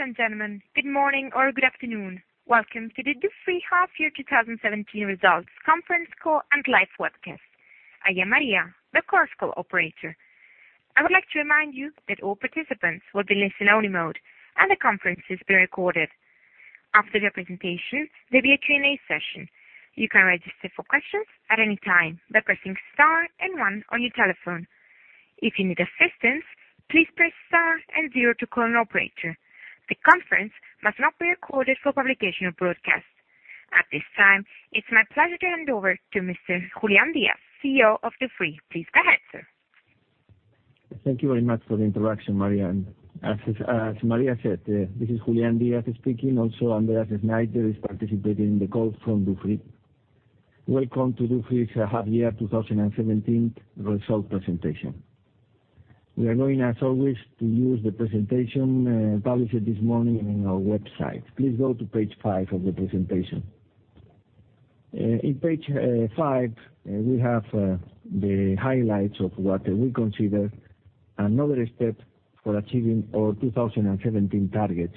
Ladies and gentlemen, good morning or good afternoon. Welcome to the Dufry half-year 2017 results conference call and live webcast. I am Maria, the Chorus Call operator. I would like to remind you that all participants will be in listen-only mode, and the conference is being recorded. After the presentation, there will be a Q&A session. You can register for questions at any time by pressing star 1 on your telephone. If you need assistance, please press star 0 to call an operator. The conference must not be recorded for publication or broadcast. At this time, it is my pleasure to hand over to Mr. Julián Díaz, CEO of Dufry. Please go ahead, sir. Thank you very much for the introduction, Maria. As Maria said, this is Julián Díaz speaking. Also, Andreas Schneiter is participating in the call from Dufry. Welcome to Dufry's half-year 2017 result presentation. We are going, as always, to use the presentation published this morning on our website. Please go to page five of the presentation. In page five, we have the highlights of what we consider another step for achieving our 2017 targets.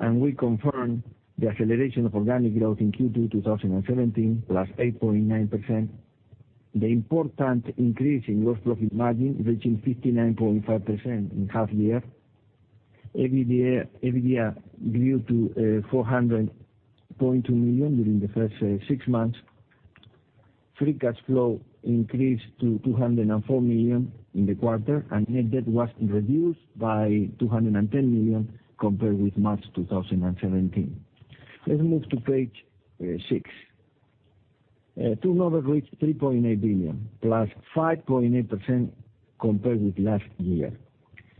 We confirm the acceleration of organic growth in Q2 2017, +8.9%. The important increase in gross profit margin, reaching 59.5% in half-year. EBITDA grew to 400.2 million during the first six months. Free cash flow increased to 204 million in the quarter, and net debt was reduced by 210 million compared with March 2017. Let's move to page six. Turnover reached 3.8 billion, +5.8% compared with last year,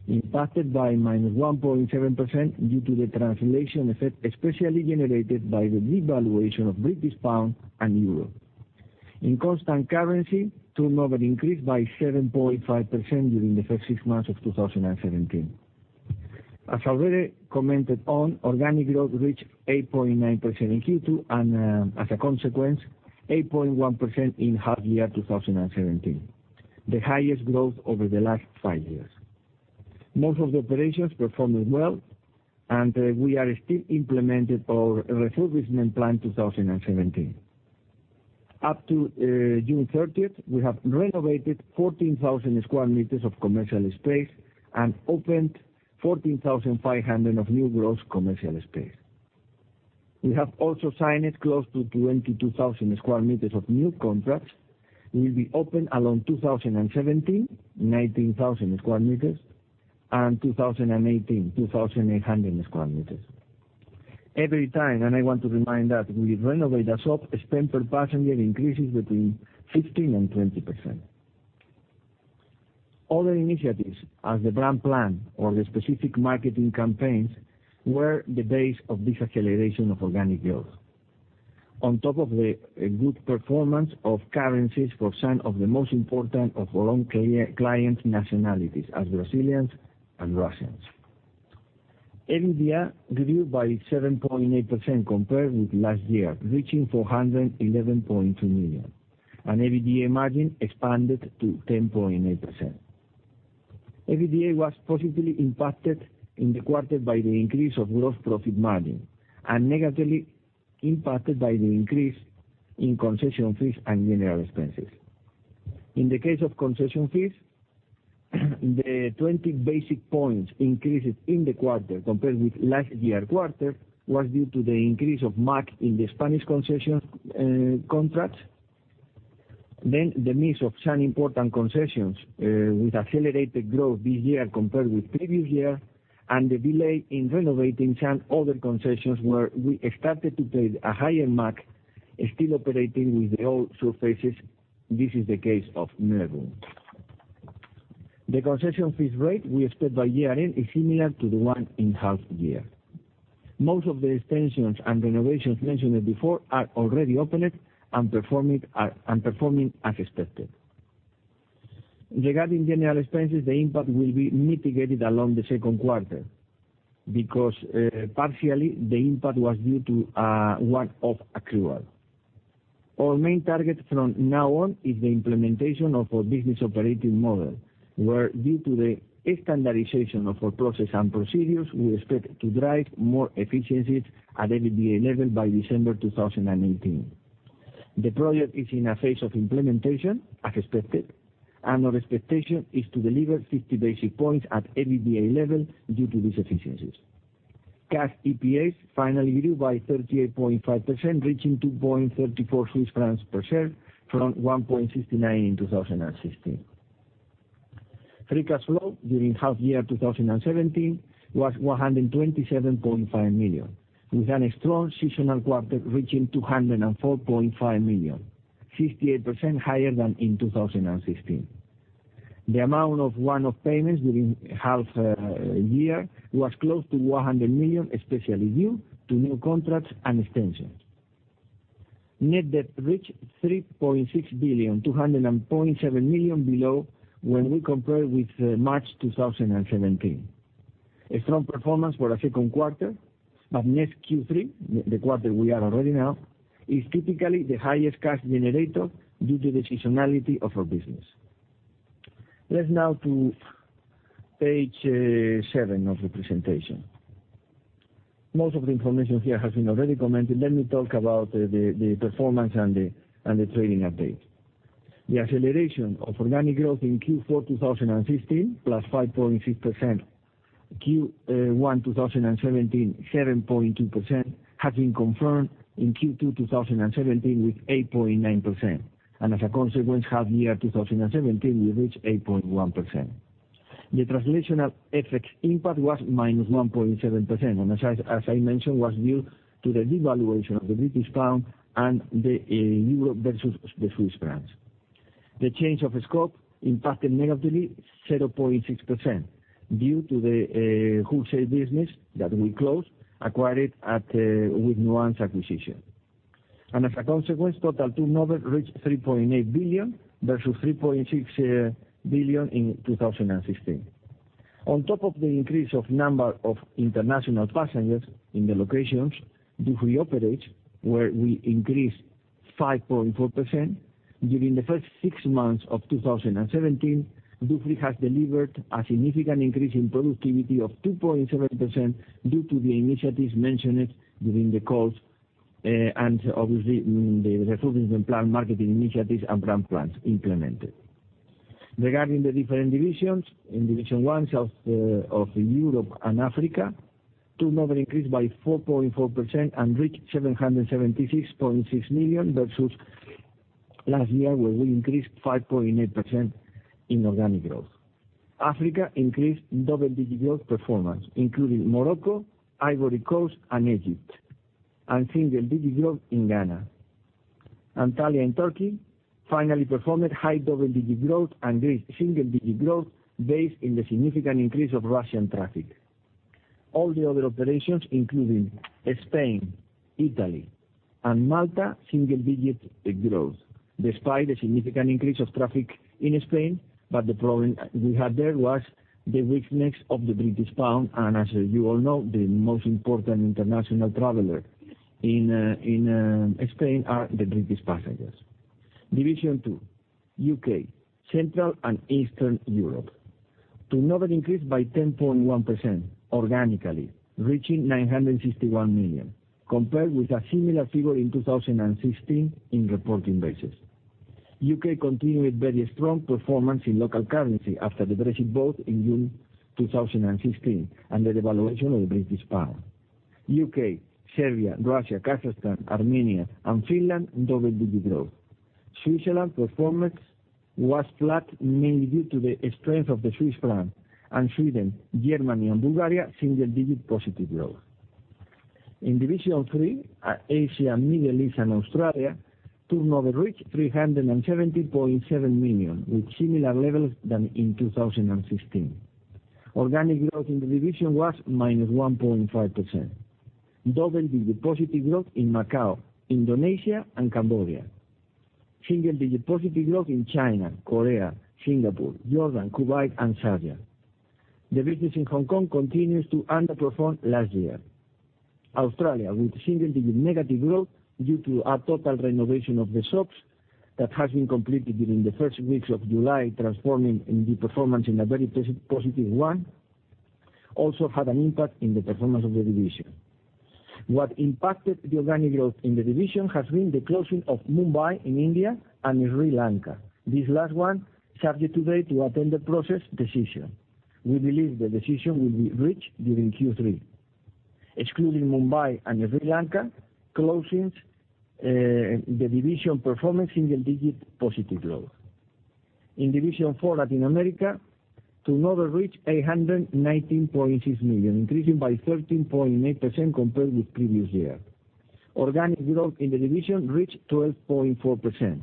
impacted by -1.7% due to the translation effect, especially generated by the devaluation of British pound and EUR. In constant currency, turnover increased by 7.5% during the first six months of 2017. As already commented on, organic growth reached +8.9% in Q2 and, as a consequence, +8.1% in half-year 2017, the highest growth over the last five years. Most of the operations performed well, and we are still implementing our refurbishment plan 2017. Up to June 30th, we have renovated 14,000 sq m of commercial space and opened 14,500 sq m of new gross commercial space. We have also signed close to 22,000 sq m of new contracts will be open along 2017, 19,000 sq m, and 2018, 2,800 sq m. Every time, and I want to remind that we renovate a shop, spend per passenger increases between 15% and 20%. Other initiatives, as the brand plan or the specific marketing campaigns, were the base of this acceleration of organic growth. On top of the good performance of currencies for some of the most important of our own client nationalities, as Brazilians and Russians. EBITDA grew by +7.8% compared with last year, reaching 411.2 million, and EBITDA margin expanded to 10.8%. EBITDA was positively impacted in the quarter by the increase of gross profit margin and negatively impacted by the increase in concession fees and general expenses. In the case of concession fees, the 20 basic points increase in the quarter compared with last year quarter was due to the increase of MAG in the Spanish concession contracts, the mix of some important concessions with accelerated growth this year compared with previous year, and the delay in renovating some other concessions where we expected to pay a higher MAG still operating with the old surfaces. This is the case of [NER]. The concession fees rate we expect by year-end is similar to the one in half year. Most of the extensions and renovations mentioned before are already opened and performing as expected. Regarding general expenses, the impact will be mitigated along the second quarter because partially the impact was due to a one-off accrual. Our main target from now on is the implementation of our business operating model, where due to the standardization of our process and procedures, we expect to drive more efficiencies at EBITDA level by December 2018. The project is in a phase of implementation, as expected, our expectation is to deliver 50 basic points at EBITDA level due to these efficiencies. Cash EPS finally grew by 38.5%, reaching 2.34 Swiss francs per share from 1.69 in 2016. Free cash flow during half year 2017 was 127.5 million, with a strong seasonal quarter reaching 204.5 million, 68% higher than in 2016. The amount of one-off payments during half year was close to 100 million, especially due to new contracts and extensions. Net debt reached 3.6 billion, 200.7 million below when we compare with March 2017. A strong performance for a second quarter, next Q3, the quarter we are already now, is typically the highest cash generator due to the seasonality of our business. Let's now go to page seven of the presentation. Most of the information here has been already commented. Let me talk about the performance and the trading update. The acceleration of organic growth in Q4 2016, +5.6%, Q1 2017, 7.2%, has been confirmed in Q2 2017 with 8.9%, as a consequence, half year 2017, we reached 8.1%. The translational effects impact was -1.7%, as I mentioned, was due to the devaluation of the GBP and the EUR versus the CHF. The change of scope impacted negatively 0.6% due to the wholesale business that we closed, acquired with Nuance acquisition. As a consequence, total turnover reached 3.8 billion versus 3.6 billion in 2016. On top of the increase of number of international passengers in the locations Dufry operates, where we increased 5.4%, during the first six months of 2017, Dufry has delivered a significant increase in productivity of 2.7% due to the initiatives mentioned during the calls, obviously, the refocusing plan, marketing initiatives and brand plans implemented. Regarding the different divisions, in Division 1 of Europe and Africa, turnover increased by 4.4% and reached 776.6 million versus last year where we increased 5.8% in organic growth. Africa increased double-digit growth performance, including Morocco, Ivory Coast and Egypt, single-digit growth in Ghana. Antalya in Turkey finally performed high double-digit growth and reached single-digit growth based on the significant increase of Russian traffic. All the other operations, including Spain, Italy, and Malta, single-digit growth, despite a significant increase of traffic in Spain. The problem we had there was the weakness of the GBP, and as you all know, the most important international traveler in Spain are the British passengers. Division two, U.K., Central and Eastern Europe. Turnover increased by 10.1% organically, reaching 961 million, compared with a similar figure in 2016 in reporting basis. U.K. continued very strong performance in local currency after the Brexit vote in June 2016 and the devaluation of the GBP. U.K., Serbia, Russia, Kazakhstan, Armenia and Finland, double-digit growth. Switzerland performance was flat, mainly due to the strength of the Swiss franc. Sweden, Germany and Bulgaria, single-digit positive growth. In division three, Asia, Middle East and Australia, turnover reached 370.7 million with similar levels than in 2016. Organic growth in the division was -1.5%. Double-digit positive growth in Macau, Indonesia and Cambodia. Single-digit positive growth in China, Korea, Singapore, Jordan, Kuwait and Saudi Arabia. The business in Hong Kong continues to underperform last year. Australia, with single-digit negative growth due to a total renovation of the shops that has been completed during the first weeks of July, transforming the performance in a very positive one, also had an impact on the performance of the division. What impacted the organic growth in the division has been the closing of Mumbai in India and Sri Lanka. This last one subject today to a tender process decision. We believe the decision will be reached during Q3. Excluding Mumbai and Sri Lanka closings, the division performed single-digit positive growth. In division four, Latin America, turnover reached 819.6 million, increasing by 13.8% compared with the previous year. Organic growth in the division reached 12.4%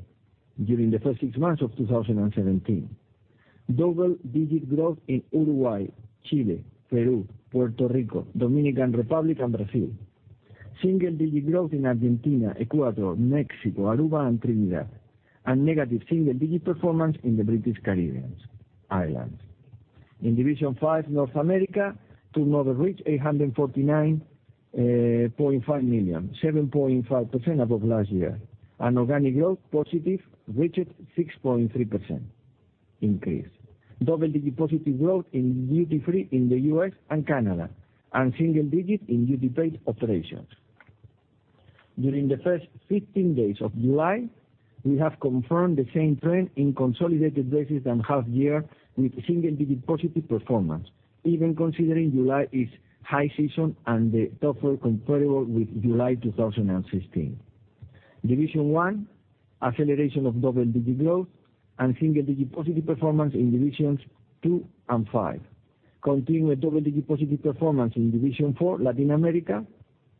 during the first six months of 2017. Double-digit growth in Uruguay, Chile, Peru, Puerto Rico, Dominican Republic and Brazil. Single-digit growth in Argentina, Ecuador, Mexico, Aruba and Trinidad, and negative single-digit performance in the British Caribbean islands. In division five, North America, turnover reached 849.5 million, 7.5% above last year. Organic growth positive reached 6.3% increase. Double-digit positive growth in duty-free in the U.S. and Canada, and single-digit in duty-paid operations. During the first 15 days of July, we have confirmed the same trend in consolidated basis than half year with single-digit positive performance, even considering July is high season and tougher comparable with July 2016. Division one, acceleration of double-digit growth and single-digit positive performance in divisions two and five. Continued double-digit positive performance in division four, Latin America,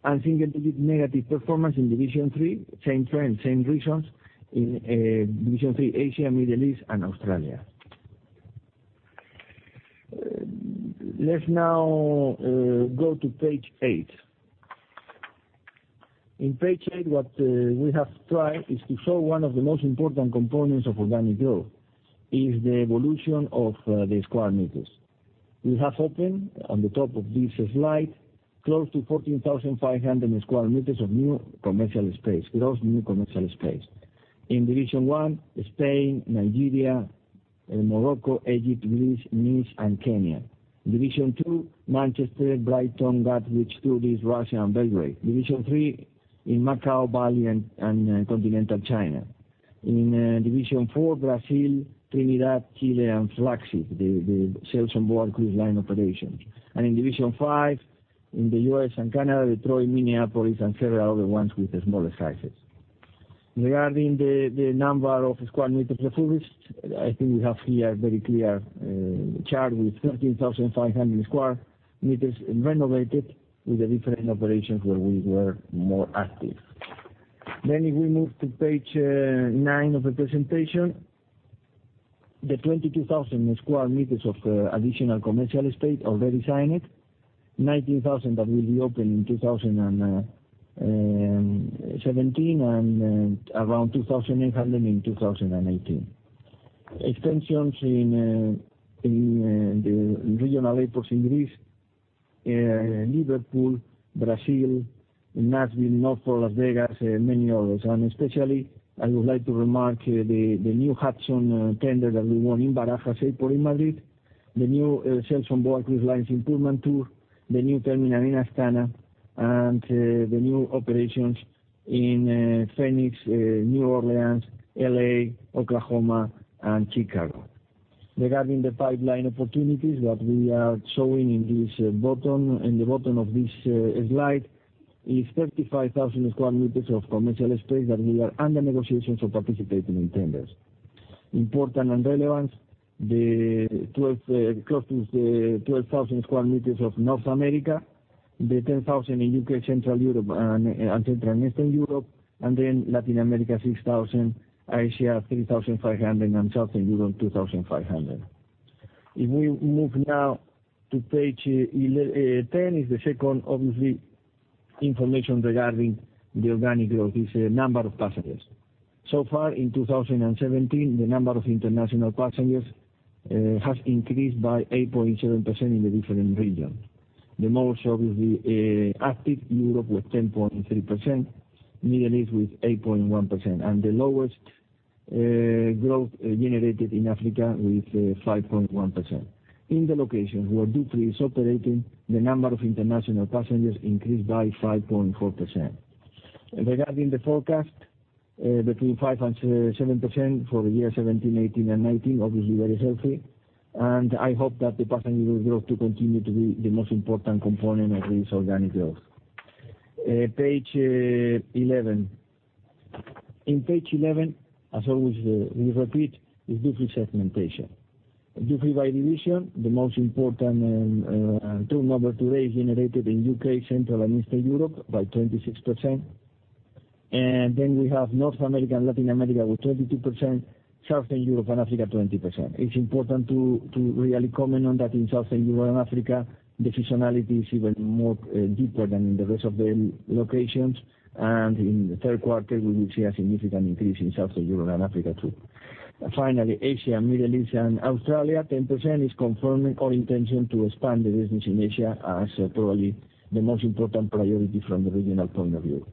and single-digit negative performance in division three, same trend, same regions in division three, Asia, Middle East and Australia. Let's now go to page eight. In page eight, what we have tried is to show one of the most important components of organic growth, is the evolution of the square meters. We have opened, on the top of this slide, close to 14,500 sq m of new commercial space, close to new commercial space. In Division one, Spain, Nigeria, Morocco, Egypt, Greece, Nice, and Kenya. Division two, Manchester, Brighton, Gatwick, Turkey, Russia, and Belgrade. Division three in Macau, Bali, and Continental China. In Division four, Brazil, Trinidad, Chile, and Flagship, the sales on board cruise line operations. In Division five, in the U.S. and Canada, Detroit, Minneapolis, and several other ones with the smaller sizes. Regarding the number of square meters refurbished, I think we have here a very clear chart with 13,500 square meters renovated with the different operations where we were more active. If we move to page nine of the presentation, the 22,000 square meters of additional commercial space already signed, 19,000 that will be open in 2017 and around 2,800 in 2018. Extensions in the regional airports in Greece, Liverpool, Brazil, Nashville, Norfolk, Las Vegas, many others. Especially, I would like to remark the new Hudson tender that we won in Barajas Airport in Madrid, the new sales on board cruise lines improvement too, the new terminal in Astana, and the new operations in Phoenix, New Orleans, L.A., Oklahoma, and Chicago. Regarding the pipeline opportunities that we are showing in the bottom of this slide is 35,000 square meters of commercial space that we are under negotiations for participating in tenders. Important and relevant, close to 12,000 square meters of North America, the 10,000 in U.K., Central Europe, and Central and Eastern Europe, Latin America, 6,000, Asia, 3,500, and Southern Europe, 2,500. We move now to page 10, is the second, obviously, information regarding the organic growth is number of passengers. So far in 2017, the number of international passengers has increased by 8.7% in the different regions. The most obviously active, Europe with 10.3%, Middle East with 8.1%, the lowest growth generated in Africa with 5.1%. In the locations where Dufry is operating, the number of international passengers increased by 5.4%. Regarding the forecast, between 5%-7% for the year 2017, 2018, and 2019, obviously very healthy. I hope that the passenger growth to continue to be the most important component of this organic growth. Page 11. Page 11, as always, we repeat the Dufry segmentation. Dufry by division, the most important turnover today is generated in U.K., Central and Eastern Europe by 26%. We have North America and Latin America with 22%, Southern Europe and Africa, 20%. It's important to really comment on that in Southern Europe and Africa, the seasonality is even more deeper than in the rest of the locations, in the third quarter, we will see a significant increase in Southern Europe and Africa, too. Asia, Middle East, and Australia, 10%, is confirming our intention to expand the business in Asia as probably the most important priority from the regional point of view.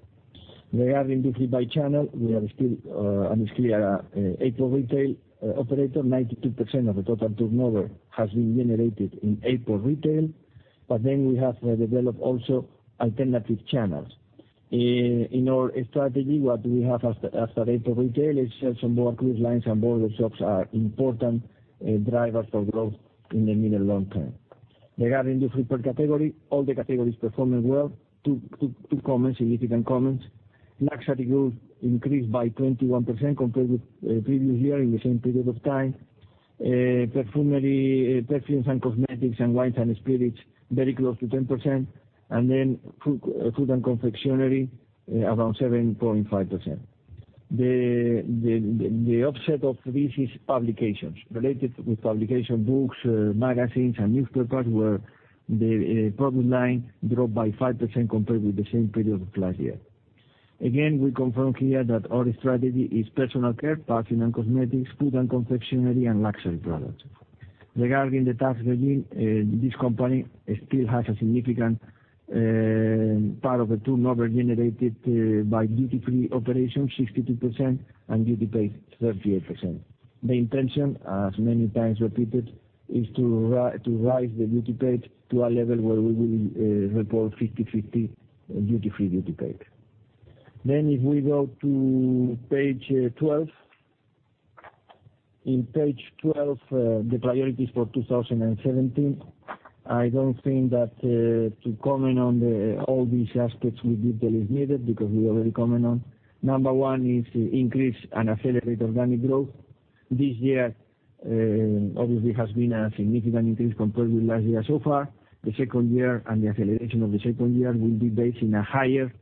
Regarding Dufry by channel, we are still and is clear, airport retail operator, 92% of the total turnover has been generated in airport retail, we have developed also alternative channels. Our strategy, what we have as at airport retail is sales on board cruise lines and border shops are important drivers for growth in the medium long-term. Regarding Dufry per category, all the categories performing well. Two significant comments. Luxury goods increased by 21% compared with the previous year in the same period of time. Perfumery, perfumes and cosmetics, and wines and spirits, very close to 10%, food and confectionery, around 7.5%. The offset of this is publications. Related with publication, books, magazines, and newspapers, where the product line dropped by 5% compared with the same period of last year. Again, we confirm here that our strategy is personal care, perfume and cosmetics, food and confectionery, and luxury products. Regarding the tax regime, this company still has a significant part of the turnover generated by duty-free operations, 62%, and duty paid 38%. The intention, as many times repeated, is to rise the duty paid to a level where we will report 50/50 duty-free/duty paid. If we go to page 12. In page 12, the priorities for 2017. I don't think that to comment on all these aspects with detail is needed because we already comment on. Number one is to increase and accelerate organic growth. This year, obviously has been a significant increase compared with last year so far. The second year and the acceleration of the second year will be based on a higher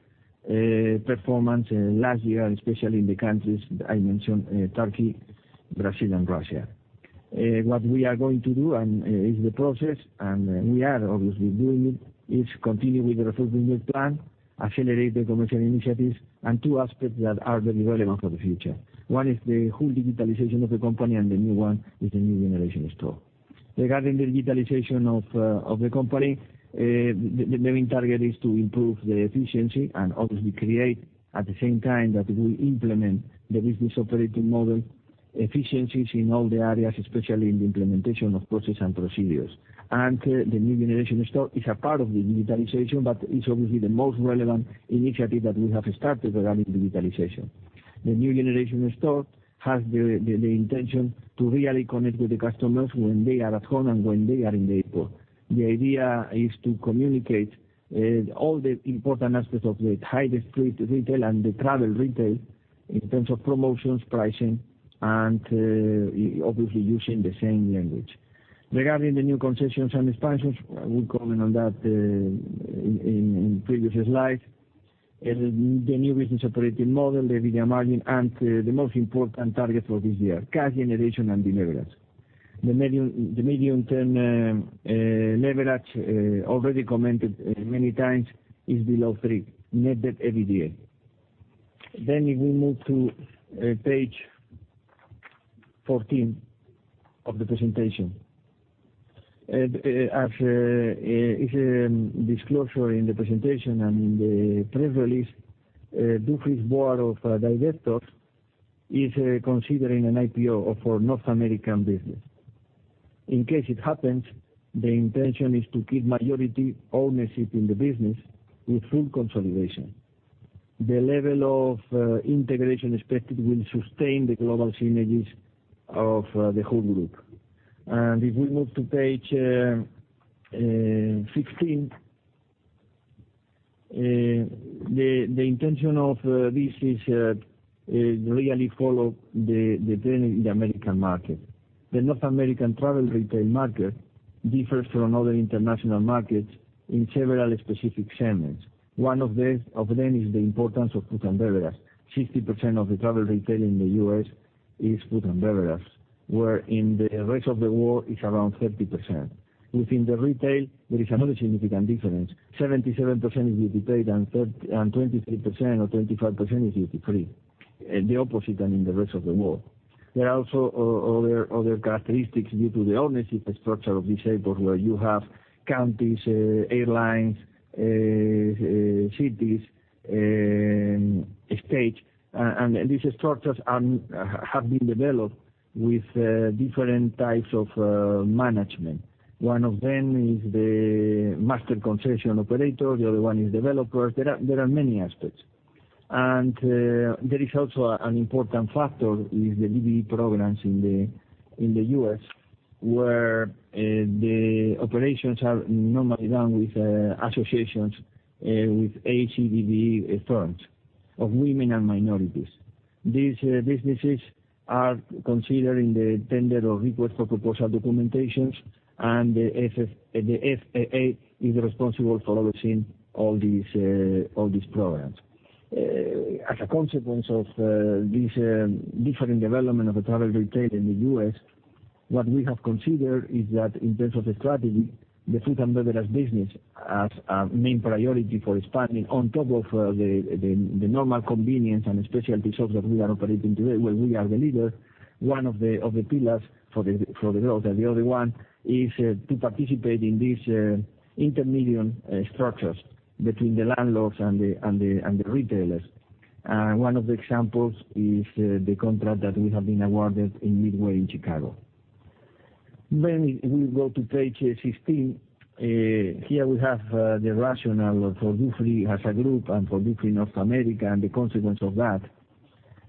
performance last year, especially in the countries I mentioned, Turkey, Brazil, and Russia. What we are going to do and is the process, and we are obviously doing it, is continue with the Refurbishment Plan, accelerate the commercial initiatives, and two aspects that are very relevant for the future. One is the whole digitalization of the company, and the new one is the New Generation Store. Regarding the digitalization of the company, the main target is to improve the efficiency and obviously create at the same time that we implement the Business Operating Model efficiencies in all the areas, especially in the implementation of process and procedures. The New Generation Store is a part of the digitalization, but it's obviously the most relevant initiative that we have started regarding digitalization. The New Generation Store has the intention to really connect with the customers when they are at home and when they are in the airport. The idea is to communicate all the important aspects of the high-street retail and the travel retail in terms of promotions, pricing, and obviously using the same language. Regarding the new concessions and expansions, we comment on that in previous slides. The new Business Operating Model, the EBITDA margin, and the most important target for this year, cash generation and the leverage. The medium-term leverage, already commented many times, is below three net debt/EBITDA. If we move to page 14 of the presentation. As a disclosure in the presentation and in the press release, Dufry's board of directors is considering an IPO for North American Business. In case it happens, the intention is to keep majority ownership in the business with full consolidation. The level of integration expected will sustain the global synergies of the whole group. If we move to page 16, the intention of this is to really follow the trend in the U.S. market. The North American travel retail market differs from other international markets in several specific segments. One of them is the importance of food and beverages. 60% of the travel retail in the U.S. is food and beverages, where in the rest of the world it's around 30%. Within the retail, there is another significant difference, 77% is duty paid and 23% or 25% is duty free, the opposite than in the rest of the world. There are also other characteristics due to the ownership structure of this airport where you have counties, airlines, cities, state, and these structures have been developed with different types of management. One of them is the master concession operator, the other one is developers. There are many aspects. There is also an important factor is the DBE programs in the U.S., where the operations are normally done with associations with DBE firms of women and minorities. These businesses are considered in the tender or request for proposal documentations, and the FAA is responsible for overseeing all these programs. As a consequence of this different development of the travel retail in the U.S., what we have considered is that in terms of the strategy, the food and beverage business as a main priority for expanding on top of the normal convenience and specialty shops that we are operating today, where we are the leader, one of the pillars for the growth. The other one is to participate in these intermedium structures between the landlords and the retailers. One of the examples is the contract that we have been awarded in Midway in Chicago. We go to page 15. Here we have the rationale for Dufry as a group and for Dufry North America and the consequence of that.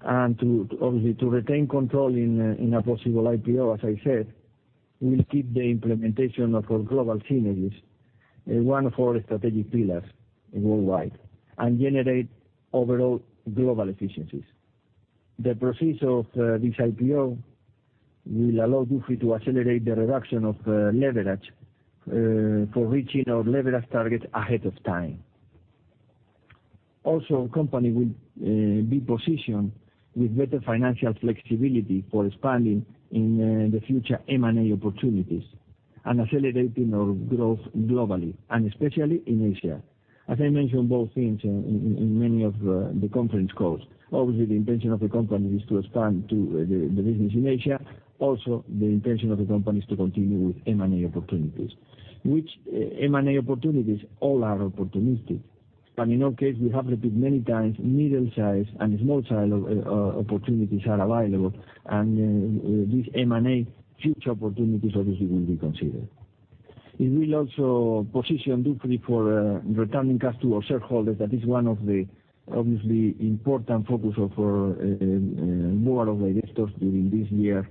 Obviously, to retain control in a possible IPO, as I said, will keep the implementation of our global synergies one of our strategic pillars worldwide and generate overall global efficiencies. The procedure of this IPO will allow Dufry to accelerate the reduction of leverage for reaching our leverage target ahead of time. Also, company will be positioned with better financial flexibility for expanding in the future M&A opportunities and accelerating our growth globally and especially in Asia. As I mentioned both things in many of the conference calls, obviously, the intention of the company is to expand the business in Asia. Also, the intention of the company is to continue with M&A opportunities. Which M&A opportunities? All are opportunistic. In our case, we have repeat many times, middle-size and small-size opportunities are available, and these M&A future opportunities obviously will be considered. It will also position Dufry for returning cash to our shareholders. That is one of the obviously important focus of our board of directors during this year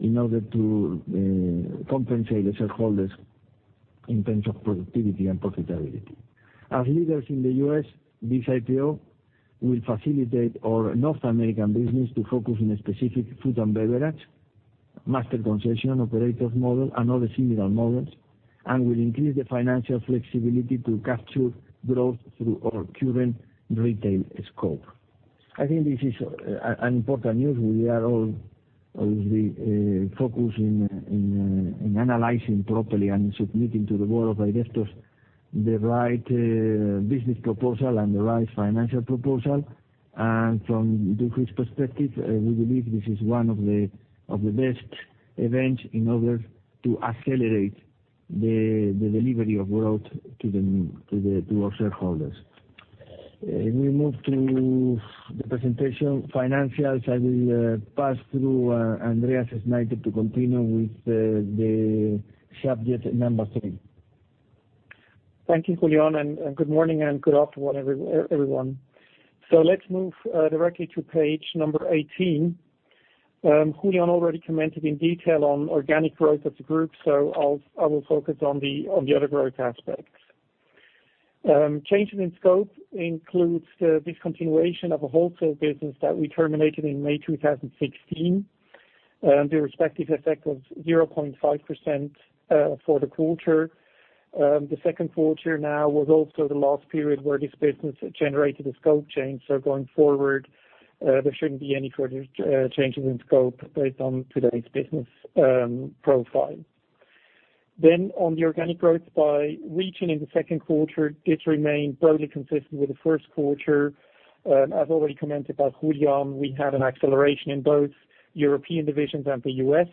in order to compensate the shareholders in terms of productivity and profitability. As leaders in the U.S., this IPO will facilitate our North American business to focus on specific food and beverage, master concession operators model, and other similar models, and will increase the financial flexibility to capture growth through our current retail scope. I think this is an important news. We are all obviously focused on analyzing properly and submitting to the board of directors the right business proposal and the right financial proposal. From Dufry's perspective, we believe this is one of the best events in order to accelerate the delivery of growth to our shareholders. We move to the presentation financials. I will pass through Andreas Schneiter to continue with the subject number three. Thank you, Julián, and good morning and good afternoon, everyone. Let's move directly to page number 18. Julián already commented in detail on organic growth of the group, I will focus on the other growth aspects. Changes in scope includes the discontinuation of a wholesale business that we terminated in May 2016. The respective effect was 0.5% for the quarter. The second quarter now was also the last period where this business generated a scope change. Going forward, there shouldn't be any further changes in scope based on today's business profile. On the organic growth by region in the second quarter, it remained broadly consistent with the first quarter. As already commented by Julián, we had an acceleration in both European divisions and the U.S.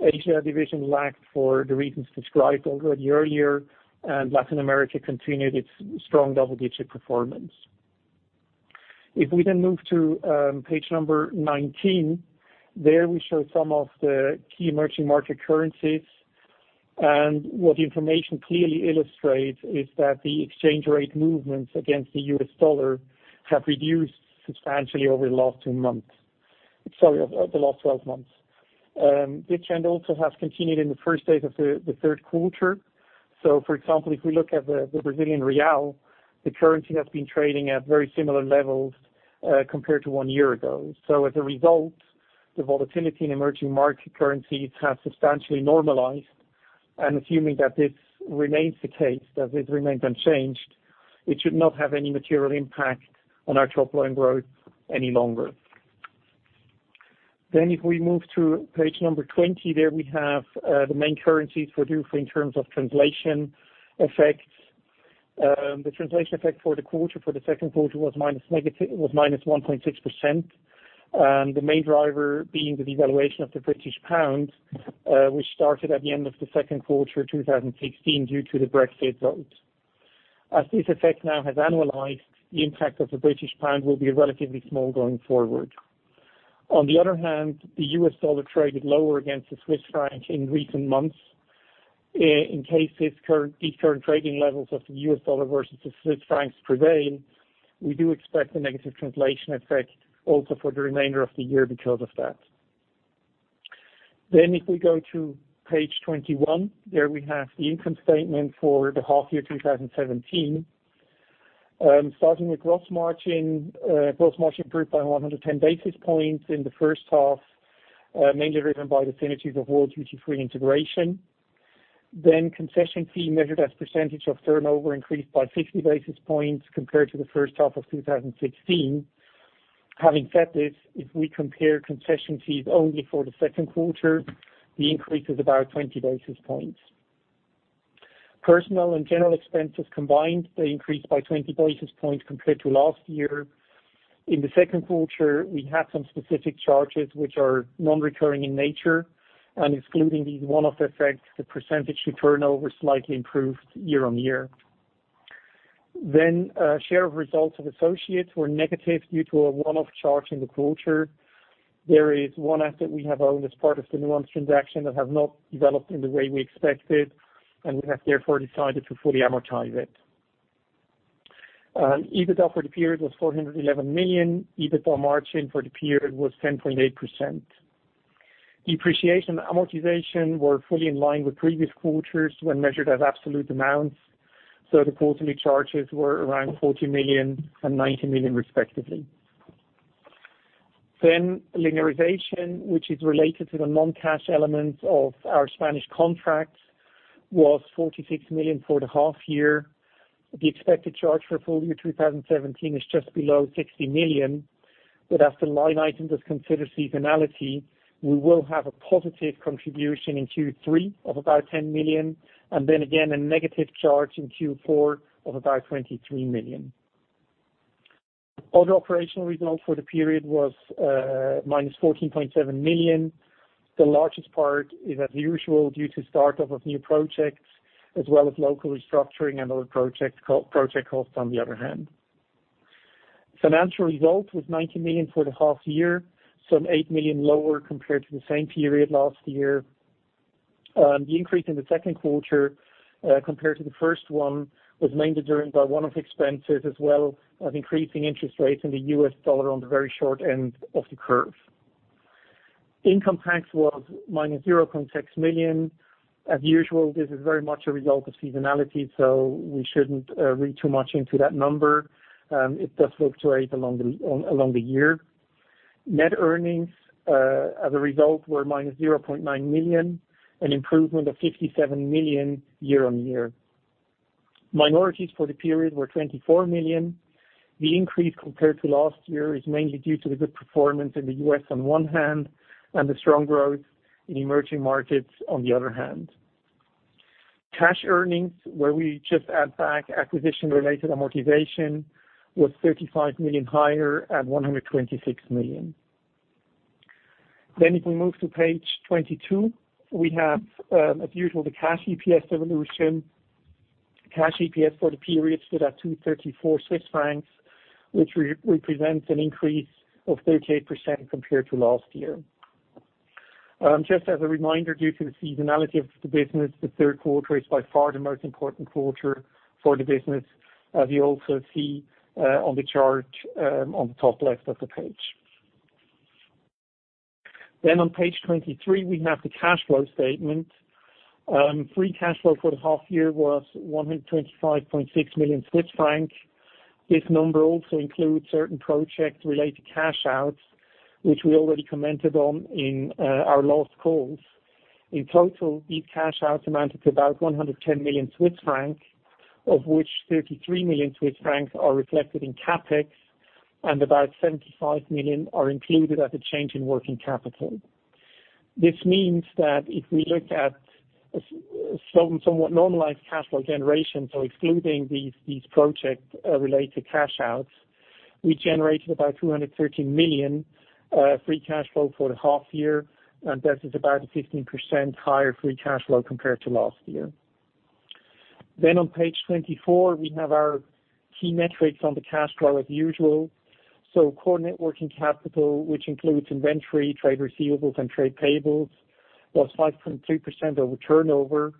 Asia division lagged for the reasons described already earlier, Latin America continued its strong double-digit performance. If we move to page number 19, there we show some of the key emerging market currencies. What the information clearly illustrates is that the exchange rate movements against the U.S. dollar have reduced substantially over the last 12 months. This trend also has continued in the first days of the third quarter. For example, if we look at the Brazilian real, the currency has been trading at very similar levels compared to one year ago. As a result, the volatility in emerging market currencies has substantially normalized, assuming that this remains the case, that this remains unchanged, it should not have any material impact on our top-line growth any longer. If we move to page number 20, there we have the main currencies for Dufry in terms of translation effects. The translation effect for the second quarter was -1.6%, the main driver being the devaluation of the British pound, which started at the end of the second quarter 2016 due to the Brexit vote. As this effect now has annualized, the impact of the British pound will be relatively small going forward. On the other hand, the U.S. dollar traded lower against the Swiss franc in recent months. In case these current trading levels of the U.S. dollar versus the Swiss franc prevail, we do expect a negative translation effect also for the remainder of the year because of that. If we go to page 21, there we have the income statement for the half year 2017. Starting with gross margin, gross margin improved by 110 basis points in the first half, mainly driven by the synergies of World Duty Free integration. Concession fee measured as percentage of turnover increased by 50 basis points compared to the first half of 2016. Having said this, if we compare concession fees only for the second quarter, the increase is about 20 basis points. Personnel and General expenses combined, they increased by 20 basis points compared to last year. In the second quarter, we had some specific charges which are non-recurring in nature. Excluding these one-off effects, the percentage to turnover slightly improved year-on-year. Share of results of associates were negative due to a one-off charge in the quarter. There is one asset we have owned as part of The Nuance Group transaction that have not developed in the way we expected, we have therefore decided to fully amortize it. EBITDA for the period was 411 million. EBITDA margin for the period was 10.8%. Depreciation and amortization were fully in line with previous quarters when measured as absolute amounts. The quarterly charges were around 40 million and 90 million respectively. Linearization, which is related to the non-cash elements of our Spanish contracts, was 46 million for the half year. The expected charge for full year 2017 is just below 60 million, but as the line item does consider seasonality, we will have a positive contribution in Q3 of about 10 million, and again a negative charge in Q4 of about 23 million. Other operational results for the period was -14.7 million. The largest part is as usual due to start-up of new projects as well as local restructuring and other project costs on the other hand. Financial result was 90 million for the half year, 8 million lower compared to the same period last year. The increase in the second quarter compared to the first one was mainly driven by one-off expenses as well of increasing interest rates in the US dollar on the very short end of the curve. Income tax was -0.6 million. As usual, this is very much a result of seasonality, we shouldn't read too much into that number. It does fluctuate along the year. Net earnings, as a result, were -0.9 million, an improvement of 57 million year-on-year. Minorities for the period were 24 million. The increase compared to last year is mainly due to the good performance in the U.S. on one hand, and the strong growth in emerging markets on the other hand. Cash earnings, where we just add back acquisition-related amortization, was 35 million higher at 126 million. If we move to page 22, we have, as usual, the Cash EPS evolution. Cash EPS for the period stood at 2.34 Swiss francs, which represents an increase of 38% compared to last year. Just as a reminder, due to the seasonality of the business, the third quarter is by far the most important quarter for the business, as you also see on the chart on the top left of the page. On page 23, we have the cash flow statement. Free cash flow for the half year was 125.6 million Swiss francs. This number also includes certain project-related cash outs, which we already commented on in our last calls. In total, these cash outs amounted to about 110 million Swiss francs, of which 33 million Swiss francs are reflected in CapEx and about 75 million are included as a change in working capital. This means that if we look at somewhat normalized cash flow generation, excluding these project-related cash outs, we generated about 213 million free cash flow for the half year, and this is about a 15% higher free cash flow compared to last year. On page 24, we have our key metrics on the cash flow as usual. Core net working capital, which includes inventory, trade receivables, and trade payables, was 5.2% of the turnover,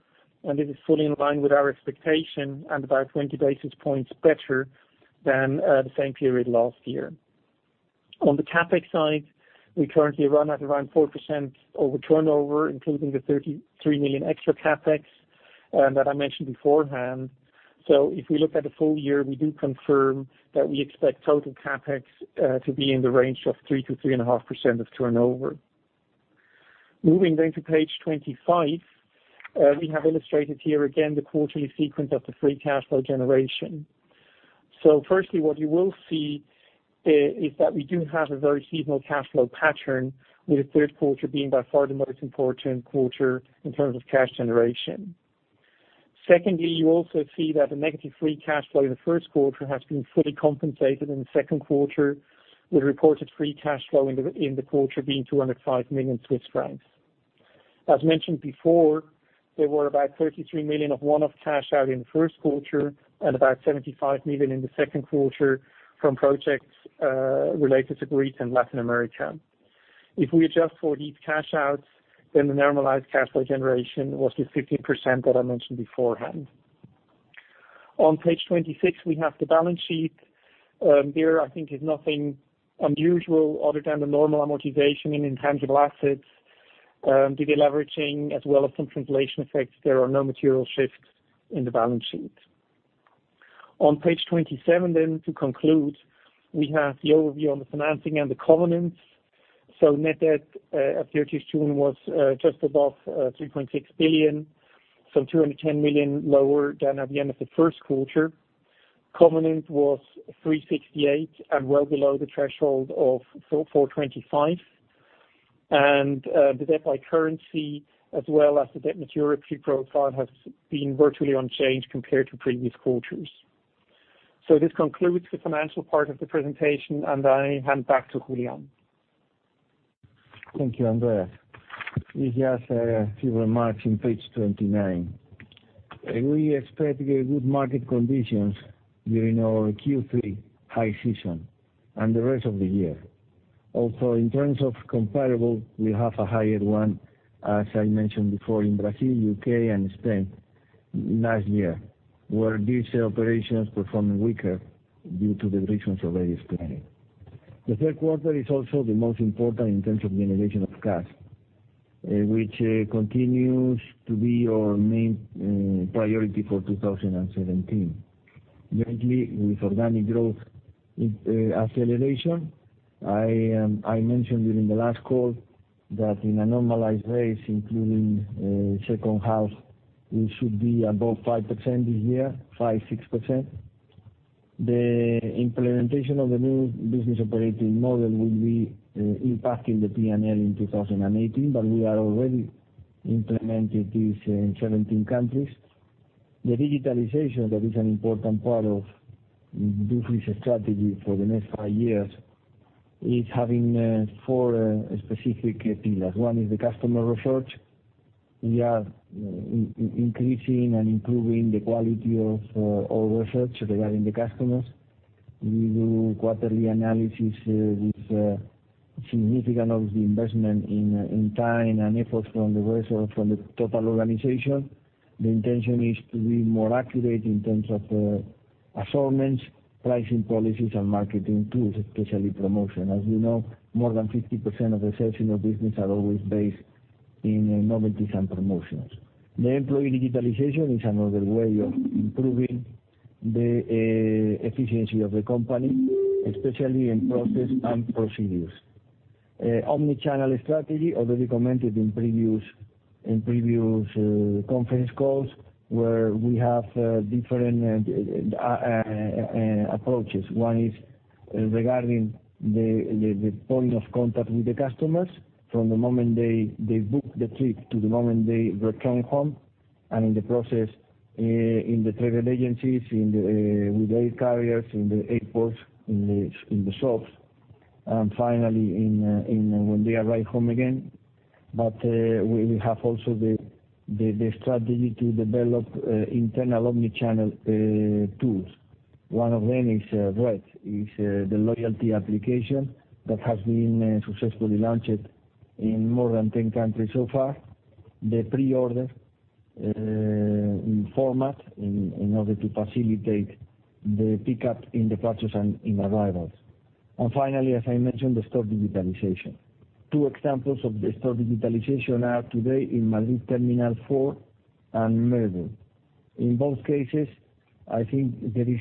and it is fully in line with our expectation and about 20 basis points better than the same period last year. On the CapEx side, we currently run at around 4% of the turnover, including the 33 million extra CapEx that I mentioned beforehand. If we look at the full year, we do confirm that we expect total CapEx to be in the range of 3%-3.5% of turnover. Moving to page 25. Firstly, what you will see is that we do have a very seasonal cash flow pattern, with the third quarter being by far the most important quarter in terms of cash generation. Secondly, you also see that the negative free cash flow in the first quarter has been fully compensated in the second quarter, with reported free cash flow in the quarter being 205 million Swiss francs. As mentioned before, there were about 33 million CHF of one-off cash out in the first quarter and about 75 million CHF in the second quarter from projects related to Greece and Latin America. If we adjust for these cash outs, the normalized cash flow generation was the 15% that I mentioned beforehand. On page 26, we have the balance sheet. There, I think there's nothing unusual other than the normal amortization and intangible assets, deleveraging, as well as some translation effects. There are no material shifts in the balance sheet. On page 27 to conclude, we have the overview on the financing and the covenants. Net debt at 30 June was just above 3.6 billion CHF, 210 million CHF lower than at the end of the first quarter. Covenant was 368 and well below the threshold of 425. The debt by currency as well as the debt maturity profile has been virtually unchanged compared to previous quarters. This concludes the financial part of the presentation, and I hand back to Julián. Thank you, Andreas. With just a few remarks on page 29. We expect good market conditions during our Q3 high season and the rest of the year. In terms of comparable, we have a higher one, as I mentioned before in Brazil, U.K., and Spain last year, where these operations performed weaker due to the reasons already explained. The third quarter is also the most important in terms of generation of cash, which continues to be our main priority for 2017. Mainly with organic growth acceleration. I mentioned during the last call that in a normalized race, including second half, we should be above 5% this year, 5%, 6%. The implementation of the new business operating model will be impacting the P&L in 2018, but we are already implementing this in 17 countries. The digitalization that is an important part of this strategy for the next five years is having four specific pillars. One is the customer research. We are increasing and improving the quality of our research regarding the customers. We do quarterly analysis with significant of the investment in time and efforts from the total organization. The intention is to be more accurate in terms of assortments, pricing policies, and marketing tools, especially promotion. As we know, more than 50% of the sales in our business are always based in novelties and promotions. The employee digitalization is another way of improving the efficiency of the company, especially in process and procedures. Omnichannel strategy, already commented in previous conference calls, where we have different approaches. One is regarding the point of contact with the customers from the moment they book the trip to the moment they return home. In the process, in the travel agencies, with the air carriers, in the airports, in the shops, and finally when they arrive home again. We have also the strategy to develop internal omnichannel tools. One of them is Red, is the loyalty application that has been successfully launched in more than 10 countries so far. The pre-order format, in order to facilitate the pickup in departures and in arrivals. Finally, as I mentioned, the store digitalization. Two examples of the store digitalization are today in Madrid, Terminal 4 and Melbourne. In both cases, I think there is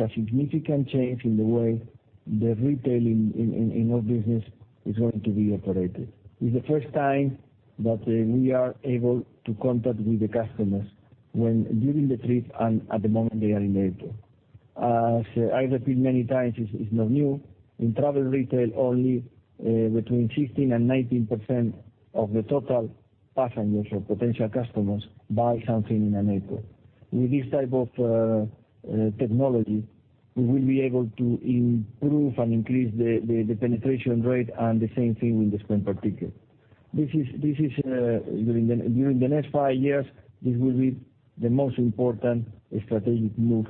a significant change in the way the retail in our business is going to be operated. It's the first time that we are able to contact with the customers during the trip and at the moment they are in the airport. As I repeat many times, it's not new. In travel retail, only between 15%-19% of the total passengers or potential customers buy something in an airport. With this type of technology, we will be able to improve and increase the penetration rate and the same thing with the spend per ticket. During the next five years, this will be the most important strategic move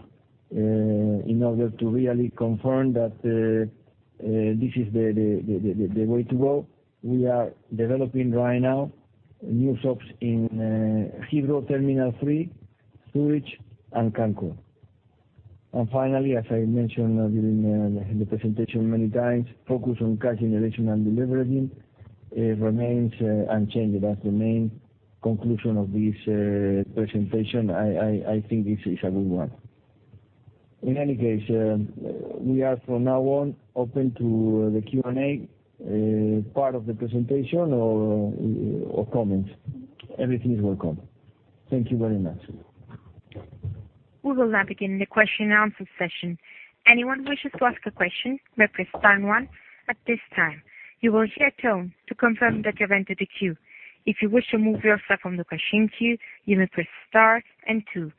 in order to really confirm that this is the way to go. We are developing right now new shops in Heathrow, Terminal 3, Zurich, and Cancun. Finally, as I mentioned during the presentation many times, focus on cash generation and deleveraging remains unchanged. That's the main conclusion of this presentation. I think this is a good one. In any case, we are from now on open to the Q&A part of the presentation or comments. Everything is welcome. Thank you very much. We will now begin the question and answer session. Anyone who wishes to ask a question may press star one at this time. You will hear a tone to confirm that you have entered the queue. If you wish to remove yourself from the question queue, you may press star and two.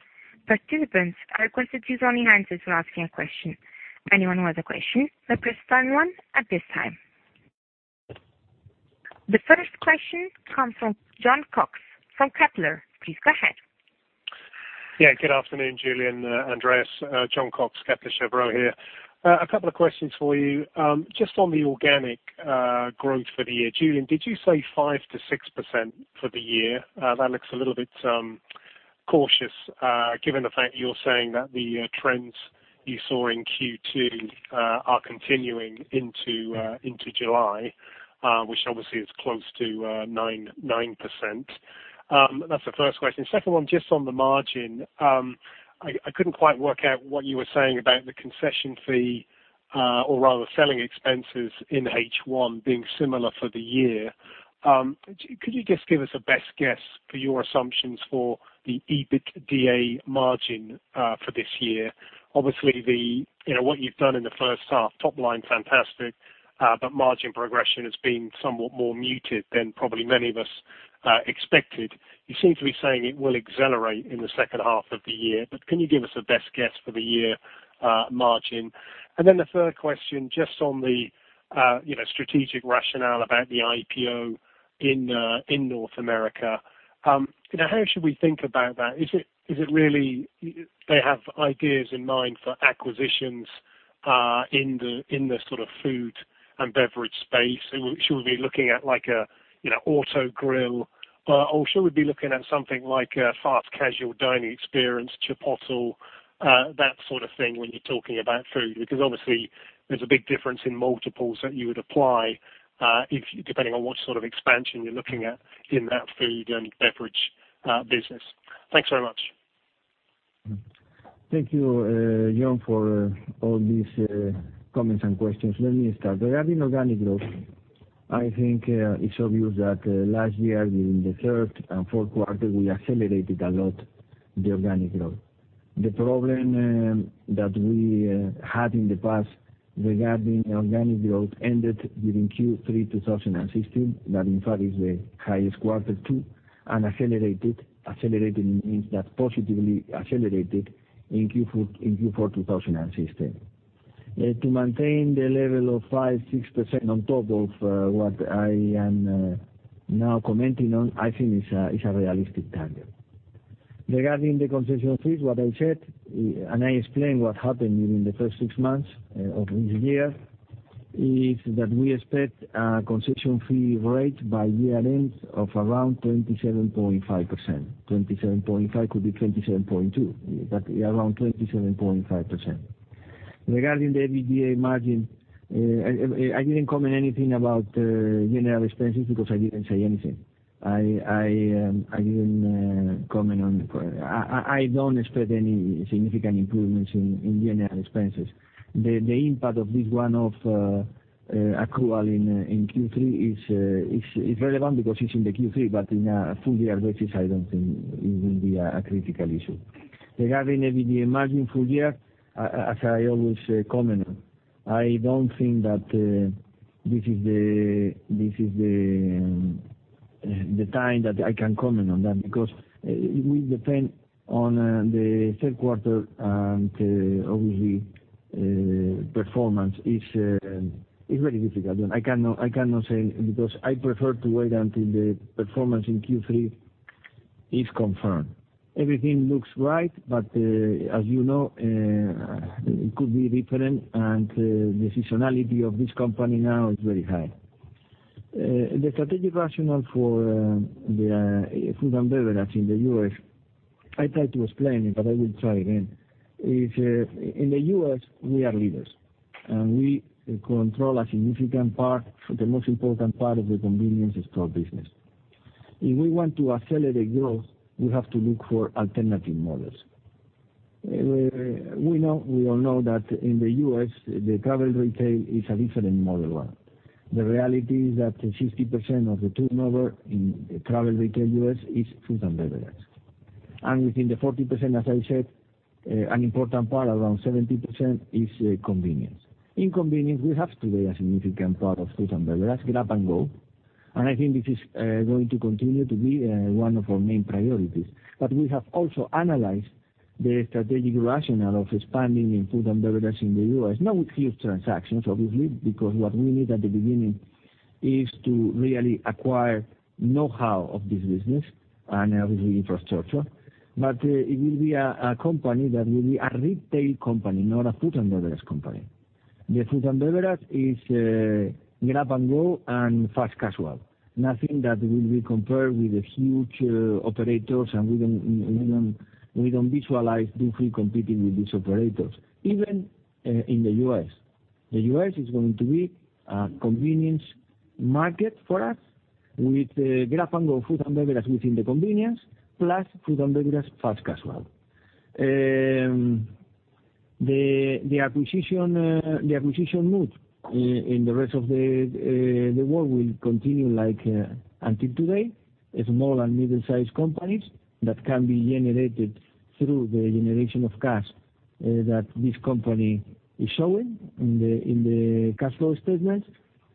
Participants are requested to use only hands when asking a question. Anyone who has a question may press star one at this time. The first question comes from Jon Cox from Kepler. Please go ahead. Yeah. Good afternoon, Julián, Andreas. Jon Cox, Kepler Cheuvreux here. A couple of questions for you. Just on the organic growth for the year, Julián, did you say 5%-6% for the year? That looks a little bit cautious, given the fact you're saying that the trends you saw in Q2 are continuing into July, which obviously is close to 9%. That's the first question. Second one, just on the margin. I couldn't quite work out what you were saying about the concession fee, or rather selling expenses in H1 being similar for the year. Could you just give us a best guess for your assumptions for the EBITDA margin for this year? Obviously, what you've done in the first half, top line, fantastic. Margin progression has been somewhat more muted than probably many of us expected. You seem to be saying it will accelerate in the second half of the year, but can you give us a best guess for the year margin? The third question, just on the strategic rationale about the IPO in North America. How should we think about that? Is it really they have ideas in mind for acquisitions in the sort of food and beverage space? Should we be looking at like a Autogrill, or should we be looking at something like a fast-casual dining experience, Chipotle, that sort of thing when you're talking about food? Obviously, there's a big difference in multiples that you would apply depending on what sort of expansion you're looking at in that food and beverage business. Thanks very much. Thank you, Jon, for all these comments and questions. Let me start. Regarding organic growth, I think it's obvious that last year, during the third and fourth quarter, we accelerated a lot the organic growth. The problem that we had in the past regarding organic growth ended during Q3 2016. That, in fact, is the highest quarter, two, and accelerated. Accelerated means that positively accelerated in Q4 2016. To maintain the level of 5%-6% on top of what I am now commenting on, I think it's a realistic target. Regarding the concession fees, what I said, and I explained what happened during the first six months of this year, is that we expect a concession fee rate by year-end of around 27.5%. 27.5% could be 27.2%, but around 27.5%. Regarding the EBITDA margin, I didn't comment anything about general expenses because I didn't say anything I didn't comment on it. I don't expect any significant improvements in general expenses. The impact of this one-off accrual in Q3 is relevant because it's in Q3, but in a full year basis, I don't think it will be a critical issue. Regarding EBITDA margin full year, as I always comment on, I don't think that this is the time that I can comment on that, because it will depend on the third quarter and obviously, performance is very difficult. I cannot say because I prefer to wait until the performance in Q3 is confirmed. Everything looks right, but, as you know, it could be different, and the seasonality of this company now is very high. The strategic rationale for the food and beverage in the U.S., I tried to explain it, but I will try again. In the U.S., we are leaders, and we control a significant part, the most important part of the convenience store business. If we want to accelerate growth, we have to look for alternative models. We all know that in the U.S., travel retail is a different model. The reality is that 60% of the turnover in travel retail U.S. is food and beverage. Within the 40%, as I said, an important part, around 70%, is convenience. In convenience, we have today a significant part of food and beverage, grab and go, and I think this is going to continue to be one of our main priorities. We have also analyzed the strategic rationale of expanding in food and beverage in the U.S. Not with huge transactions, obviously, because what we need at the beginning is to really acquire know-how of this business and obviously infrastructure. It will be a company that will be a retail company, not a food and beverage company. The food and beverage is grab and go and fast casual. Nothing that will be compared with the huge operators, and we don't visualize Dufry competing with these operators, even in the U.S. The U.S. is going to be a convenience market for us with grab and go food and beverage within convenience, plus food and beverage fast casual. The acquisition mood in the rest of the world will continue like until today. Small and medium-sized companies that can be generated through the generation of cash that this company is showing in the cash flow statements,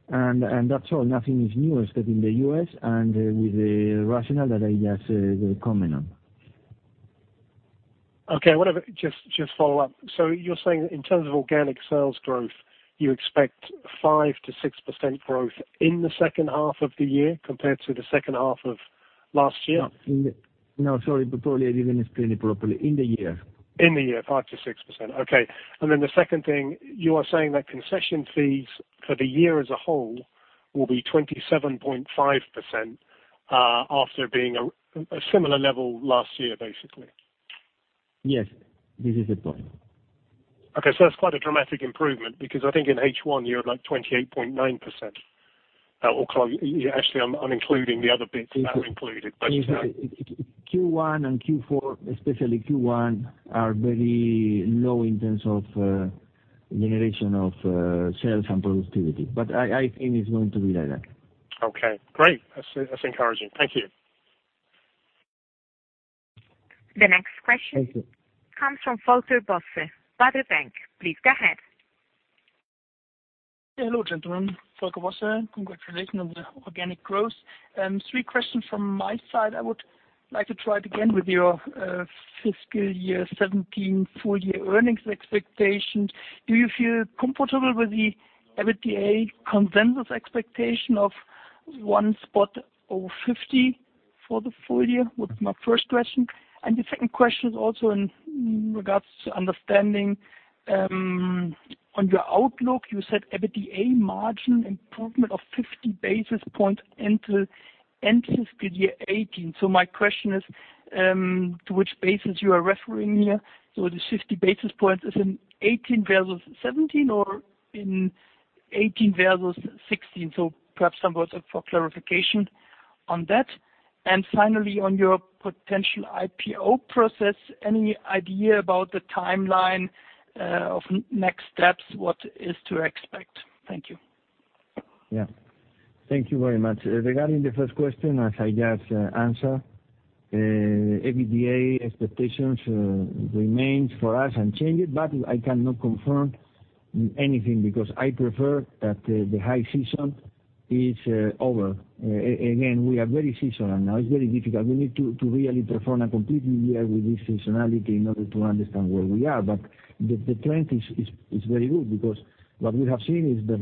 that's all. Nothing is newer, except in the U.S. and with the rationale that I just commented on. Okay. I want to just follow up. You're saying that in terms of organic sales growth, you expect 5%-6% growth in the second half of the year compared to the second half of last year? No, sorry, probably I didn't explain it properly. In the year. In the year, 5%-6%. Okay. The second thing, you are saying that concession fees for the year as a whole will be 27.5% after being a similar level last year, basically. Yes. This is it. Okay. That's quite a dramatic improvement because I think in H1, you're at 28.9%. Actually, I'm including the other bits that are included. Q1 and Q4, especially Q1, are very low in terms of generation of sales and productivity. I think it's going to be like that. Okay, great. That's encouraging. Thank you. The next question. Thank you. comes from Volker Bosse, Baader Bank. Please go ahead. Hello, gentlemen. Volker Bosse. Congratulations on the organic growth. Three questions from my side. I would like to try it again with your fiscal year 2017 full year earnings expectations. Do you feel comfortable with the EBITDA consensus expectation 1,050 million for the full year? Was my first question. The second question is also in regards to understanding on your outlook, you said EBITDA margin improvement of 50 basis points into fiscal year 2018. My question is, to which basis you are referring here? The 50 basis points is in 2018 versus 2017 or in 2018 versus 2016? Perhaps some words for clarification on that. Finally, on your potential IPO process, any idea about the timeline of next steps, what is to expect? Thank you. Thank you very much. Regarding the first question, as I just answered, EBITDA expectations remains for us unchanged, but I cannot confirm anything because I prefer that the high season is over. Again, we are very seasonal now. It's very difficult. We need to really perform a complete year with this seasonality in order to understand where we are. The trend is very good because what we have seen is the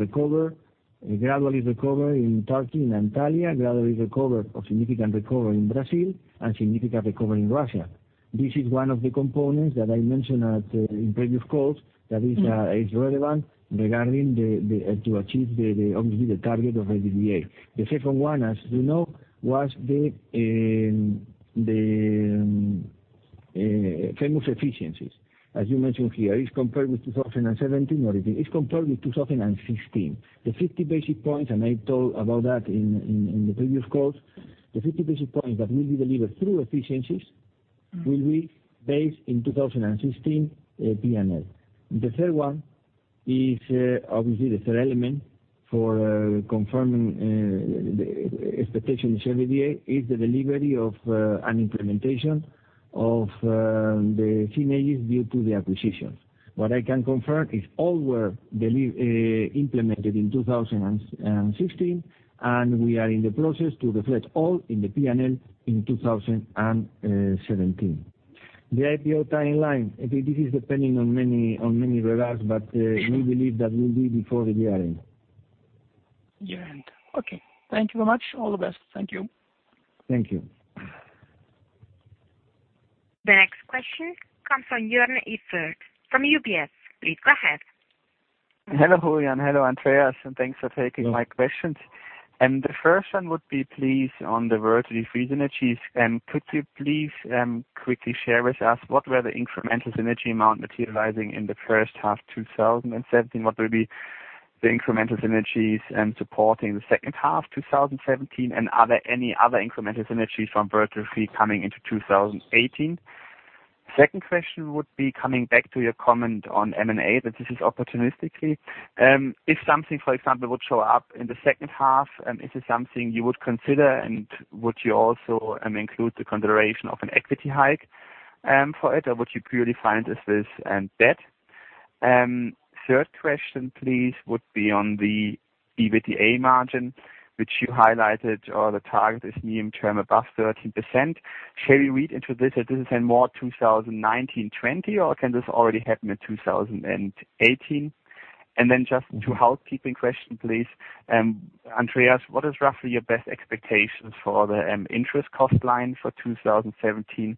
gradual recovery in Turkey, in Antalya, gradual recovery or significant recovery in Brazil, and significant recovery in Russia. This is one of the components that I mentioned in previous calls that is relevant regarding to achieve, obviously, the target of EBITDA. The second one, as you know, was the Famous efficiencies, as you mentioned here, is compared with 2017 or is compared with 2016. The 50 basis points, and I told about that in the previous calls, the 50 basis points that will be delivered through efficiencies will be based in 2016 P&L. The third one is obviously the third element for confirming the expectation of EBITDA is the delivery of an implementation of the synergies due to the acquisitions. What I can confirm is all were implemented in 2016, and we are in the process to reflect all in the P&L in 2017. The IPO timeline, this is depending on many regards, but we believe that will be before the year end. Year end. Okay. Thank you very much. All the best. Thank you. Thank you. The next question comes from Joern Iffert from UBS. Please go ahead. Hello, Julián. Hello, Andreas. Thanks for taking my questions. The first one would be please, on the World Duty Free synergies. Could you please quickly share with us what were the incremental synergy amount materializing in the first half 2017? What will be the incremental synergies supporting the second half 2017, and are there any other incremental synergies from World Duty Free coming into 2018? Second question would be coming back to your comment on M&A, that this is opportunistically. If something, for example, would show up in the second half, is it something you would consider, and would you also include the consideration of an equity hike for it, or would you purely find this as debt? Third question, please, would be on the EBITDA margin, which you highlighted, or the target is medium-term above 13%. Shall we read into this that this is in more 2019-2020, or can this already happen in 2018? just 2 housekeeping questions, please. Andreas, what is roughly your best expectations for the interest cost line for 2017?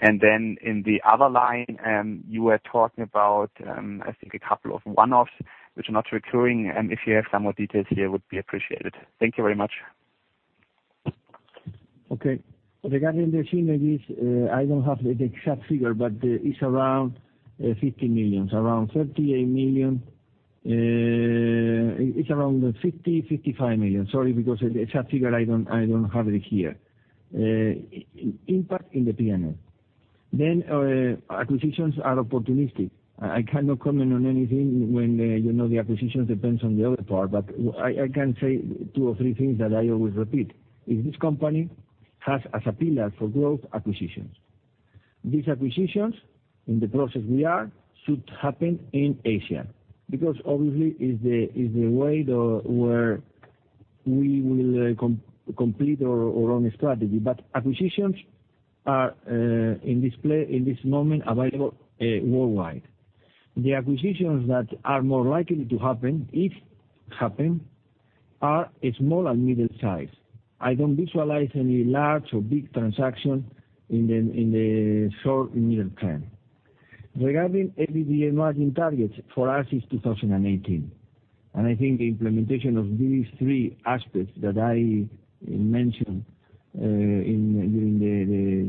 in the other line, you were talking about, I think a couple of one-offs, which are not recurring. If you have some more details here, would be appreciated. Thank you very much. Regarding the synergies, I don't have the exact figure, but it's around 50 million, around 38 million. It's around 50 million-55 million. Sorry, because the exact figure, I don't have it here. Impact in the P&L. acquisitions are opportunistic. I cannot comment on anything when the acquisitions depends on the other part, but I can say 2 or 3 things that I always repeat, is this company has as a pillar for growth, acquisitions. These acquisitions, in the process we are, should happen in Asia. obviously is the way where we will complete our own strategy. acquisitions are in this play, in this moment, available worldwide. The acquisitions that are more likely to happen, if happen, are small and medium size. I don't visualize any large or big transaction in the short and medium term. Regarding EBITDA margin targets, for us, it's 2018. I think the implementation of these 3 aspects that I mentioned during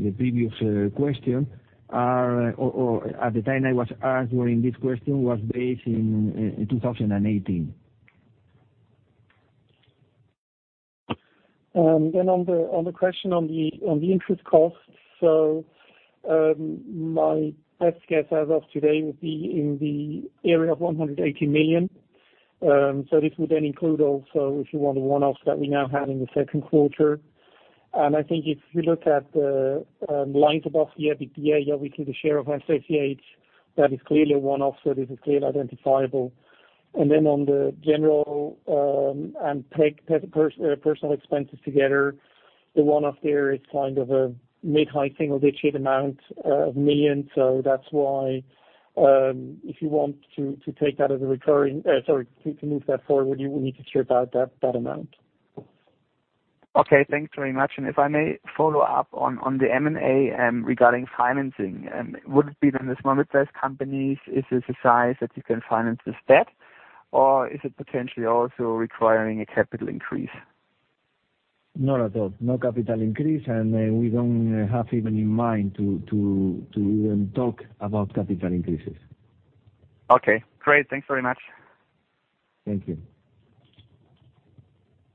the previous question are or at the time I was answering this question, was based in 2018. on the question on the interest cost. my best guess as of today would be in the area of 180 million. this would then include also, if you want, the one-off that we now had in the second quarter. I think if you look at the lines above the EBITDA, obviously the share of associates, that is clearly a one-off, so this is clearly identifiable. on the general and personal expenses together, the one-off there is kind of a mid-high single-digit amount of millions. that's why, if you want to take that as a recurring to move that forward, you will need to hear about that amount. Okay. Thanks very much. If I may follow up on the M&A regarding financing. Would it be then the smallest companies? Is this a size that you can finance this debt? Is it potentially also requiring a capital increase? Not at all. No capital increase, we don't have even in mind to even talk about capital increases. Okay, great. Thanks very much. Thank you.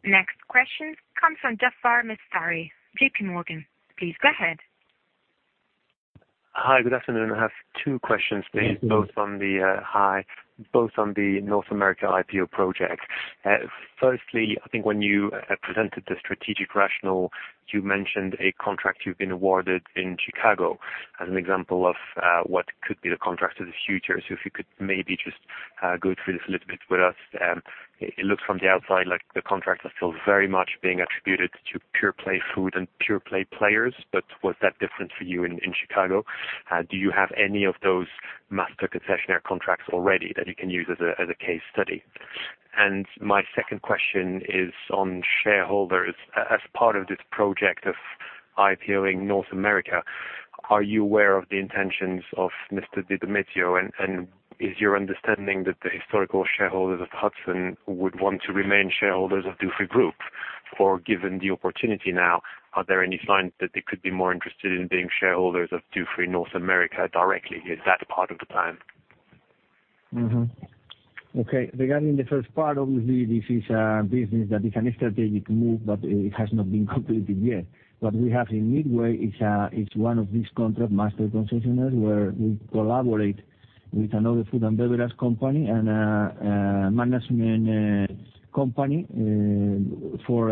Next question comes from Jaafar Mestari, JPMorgan. Please go ahead. Hi, good afternoon. I have two questions please. On the North America IPO project. I think when you presented the strategic rationale, you mentioned a contract you've been awarded in Chicago as an example of what could be the contract of the future. If you could maybe just go through this a little bit with us. It looks from the outside like the contracts are still very much being attributed to pure play food and pure play players. Was that different for you in Chicago? Do you have any of those master concession operator contracts already that you can use as a case study? My second question is on shareholders. As part of this project of IPO-ing North America, are you aware of the intentions of Mr. DiDomizio, and is your understanding that the historical shareholders of Hudson would want to remain shareholders of Dufry Group? Given the opportunity now, are there any signs that they could be more interested in being shareholders of Dufry North America directly? Is that part of the plan? Okay. Regarding the first part, obviously, this is a business that is a strategic move, but it has not been completed yet. What we have in Midway is one of these contract master concessioners, where we collaborate with another food and beverage company and a management company for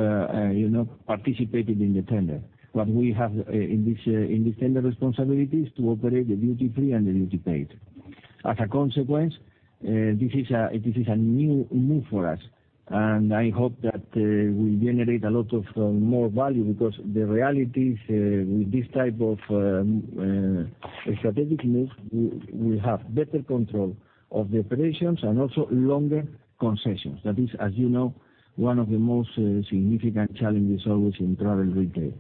participating in the tender. What we have in this tender responsibility is to operate the duty-free and the duty paid. As a consequence, this is a new move for us, and I hope that we generate a lot of more value because the reality is with this type of strategic move, we have better control of the operations and also longer concessions. That is, as you know, one of the most significant challenges always in travel retail.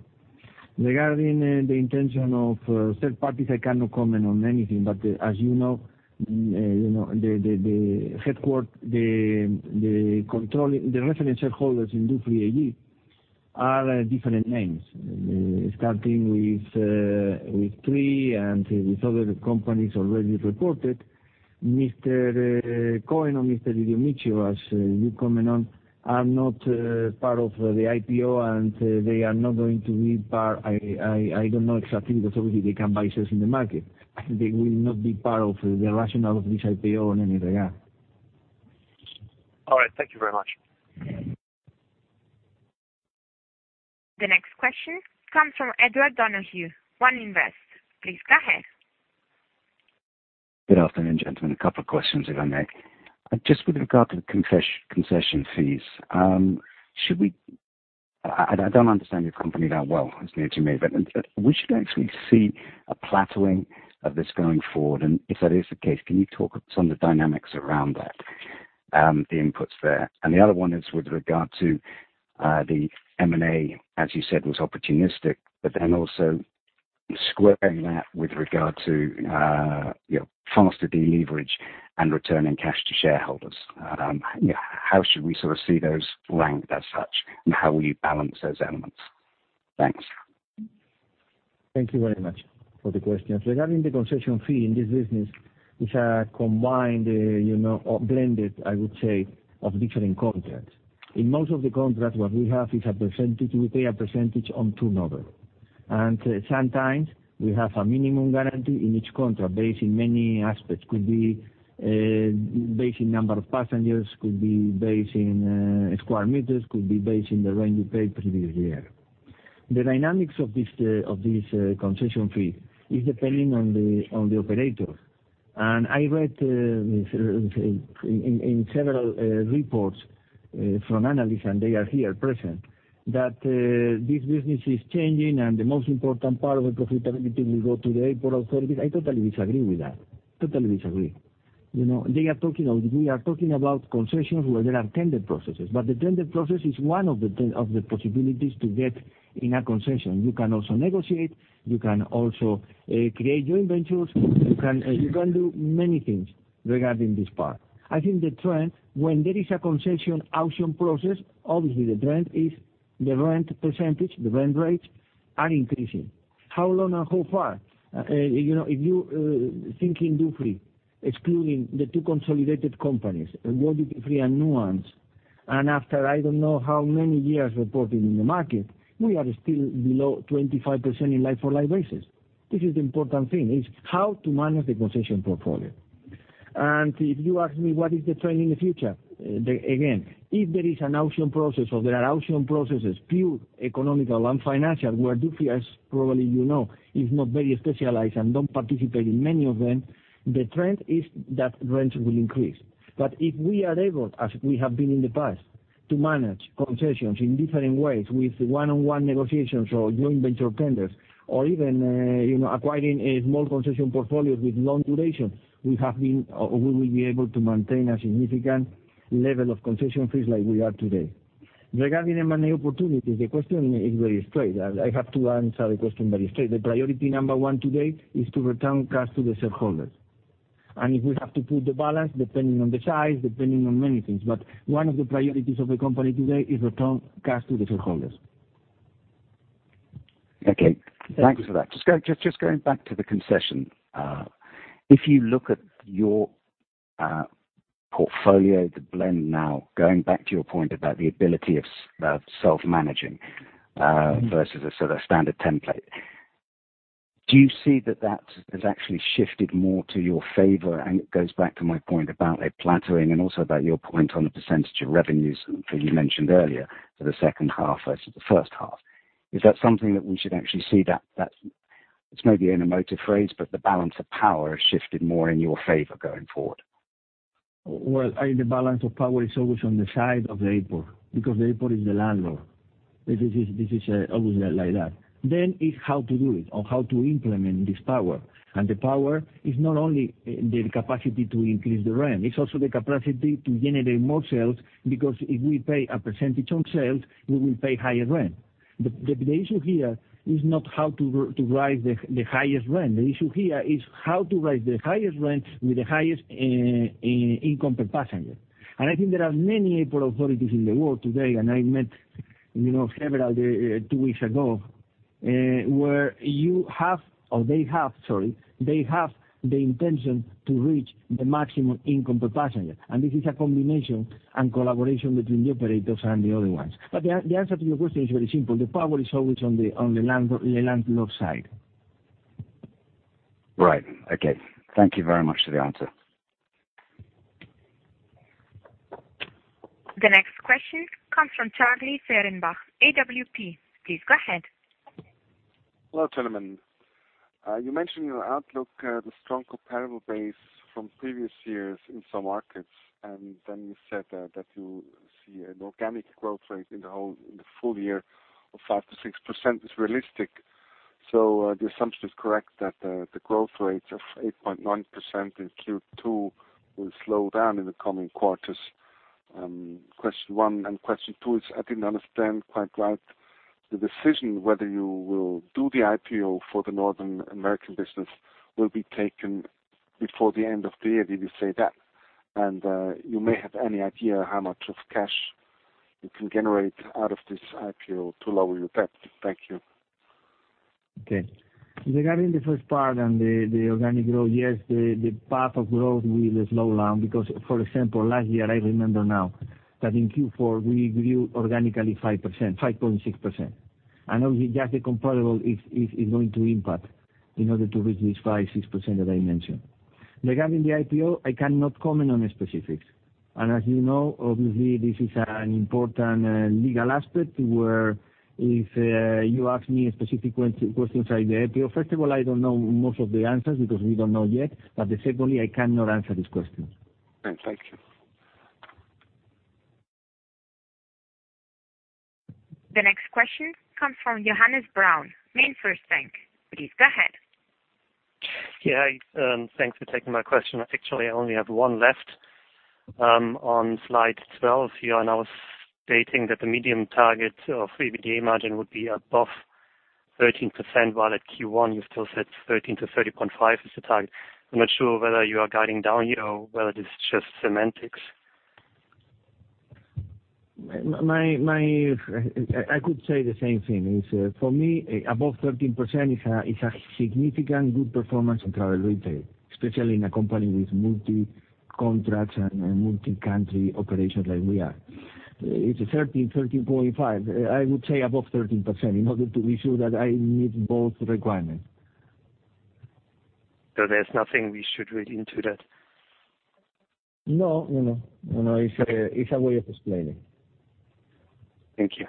Regarding the intention of third parties, I cannot comment on anything, but as you know, the reference shareholders in Dufry AG are different names. Starting with three and with other companies already reported. Mr. Cohen or Mr. Di Michiel, as you comment on, are not part of the IPO, and they are not going to be part. I don't know exactly because, obviously, they can buy shares in the market. They will not be part of the rationale of this IPO in any regard. All right. Thank you very much. The next question comes from Edward Donohue, One Invest. Please go ahead. Good afternoon, gentlemen. A couple of questions if I may. Just with regard to the concession fees, I don't understand your company that well, it's new to me, but we should actually see a plateauing of this going forward. If that is the case, can you talk some of the dynamics around that, the inputs there? The other one is with regard to the M&A, as you said, was opportunistic, but then also squaring that with regard to faster de-leverage and returning cash to shareholders. How should we sort of see those ranked as such, and how will you balance those elements? Thanks. Thank you very much for the questions. Regarding the concession fee in this business, it's a combined, or blended, I would say, of different contracts. In most of the contracts, what we have is we pay a percentage on turnover. Sometimes we have a minimum guarantee in each contract based in many aspects. Could be based in number of passengers, could be based in square meters, could be based in the rent you paid previous year. The dynamics of this concession fee is depending on the operator. I read in several reports from analysts, and they are here present, that this business is changing and the most important part of the profitability will go to the airport authority. I totally disagree with that. Totally disagree. We are talking about concessions where there are tender processes, but the tender process is one of the possibilities to get in a concession. You can also negotiate, you can also create joint ventures, you can do many things regarding this part. I think the trend, when there is a concession auction process, obviously the trend is the rent percentage, the rent rates are increasing. How long and how far? If you think in Dufry, excluding the two consolidated companies, World Duty Free and Nuance, after I don't know how many years reporting in the market, we are still below 25% in like-for-like basis. This is the important thing, is how to manage the concession portfolio. If you ask me what is the trend in the future? Again, if there is an auction process or there are auction processes, pure economical and financial, where Dufry, as probably you know, is not very specialized and don't participate in many of them, the trend is that rents will increase. If we are able, as we have been in the past, to manage concessions in different ways with one-on-one negotiations or joint venture tenders or even acquiring a small concession portfolio with long duration, we will be able to maintain a significant level of concession fees like we are today. Regarding M&A opportunities, the question is very straight. I have to answer the question very straight. The priority number 1 today is to return cash to the shareholders. If we have to put the balance, depending on the size, depending on many things, but one of the priorities of the company today is return cash to the shareholders. Okay. Thank you for that. Just going back to the concession. If you look at your portfolio, the blend now, going back to your point about the ability of self-managing versus a sort of standard template, do you see that that has actually shifted more to your favor? It goes back to my point about a plateauing and also about your point on the percentage of revenues that you mentioned earlier for the second half versus the first half. Is that something that we should actually see that, it's maybe an emotive phrase, but the balance of power has shifted more in your favor going forward? Well, the balance of power is always on the side of the airport, because the airport is the landlord. This is always like that. It's how to do it or how to implement this power. The power is not only the capacity to increase the rent, it's also the capacity to generate more sales, because if we pay a percentage on sales, we will pay higher rent. The issue here is not how to rise the highest rent. The issue here is how to rise the highest rent with the highest income per passenger. I think there are many airport authorities in the world today, and I met several two weeks ago, where they have the intention to reach the maximum income per passenger. This is a combination and collaboration between the operators and the other ones. The answer to your question is very simple. The power is always on the landlord side. Right. Okay. Thank you very much for the answer. The next question comes from Charlie Fehrenbach, AWP. Please go ahead. Hello, gentlemen. You mentioned in your outlook, the strong comparable base from previous years in some markets, then you said that you see an organic growth rate in the full year of 5%-6% is realistic. The assumption is correct that the growth rate of 8.9% in Q2 will slow down in the coming quarters. Question one and question two is, I didn't understand quite right the decision whether you will do the IPO for the North American business will be taken before the end of the year. Did you say that? You may have any idea how much of cash you can generate out of this IPO to lower your debt? Thank you. Okay. Regarding the first part on the organic growth, yes, the path of growth will slow down because, for example, last year, I remember now that in Q4, we grew organically 5.6%. Obviously, just the comparable is going to impact in order to reach this 5%-6% that I mentioned. Regarding the IPO, I cannot comment on specifics. As you know, obviously, this is an important legal aspect, where if you ask me specific questions on the IPO, first of all, I don't know most of the answers because we don't know yet. Secondly, I cannot answer these questions. All right. Thank you. The next question comes from Johannes Braun, MainFirst Bank. Please go ahead. Yeah. Thanks for taking my question. Actually, I only have one left. On slide 12 here, I was stating that the medium target of EBITDA margin would be above 13%, while at Q1 you still said 13%-13.5% is the target. I'm not sure whether you are guiding down here or whether it is just semantics. I could say the same thing. For me, above 13% is a significant good performance in travel retail, especially in a company with multi-contracts and multi-country operations like we are. It's 13%-13.5%. I would say above 13% in order to be sure that I meet both requirements. There's nothing we should read into that? No. It's a way of explaining. Thank you.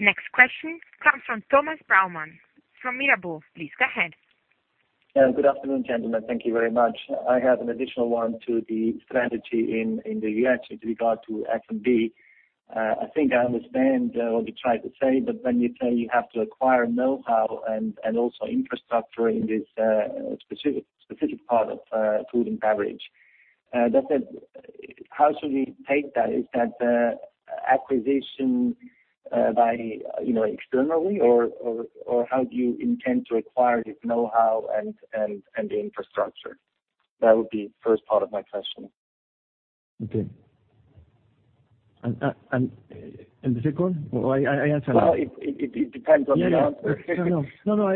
Next question comes from Thomas Baumann from Mirabaud. Please go ahead. Good afternoon, gentlemen. Thank you very much. I have an additional one to the strategy in the U.S. with regard to F&B. I think I understand what you tried to say, but when you say you have to acquire know-how and also infrastructure in this specific part of food and beverage. That said, how should we take that? Is that acquisition externally, or how do you intend to acquire this know-how and the infrastructure? That would be first part of my question. Okay. The second? I answer now? Well, it depends on the answer. No,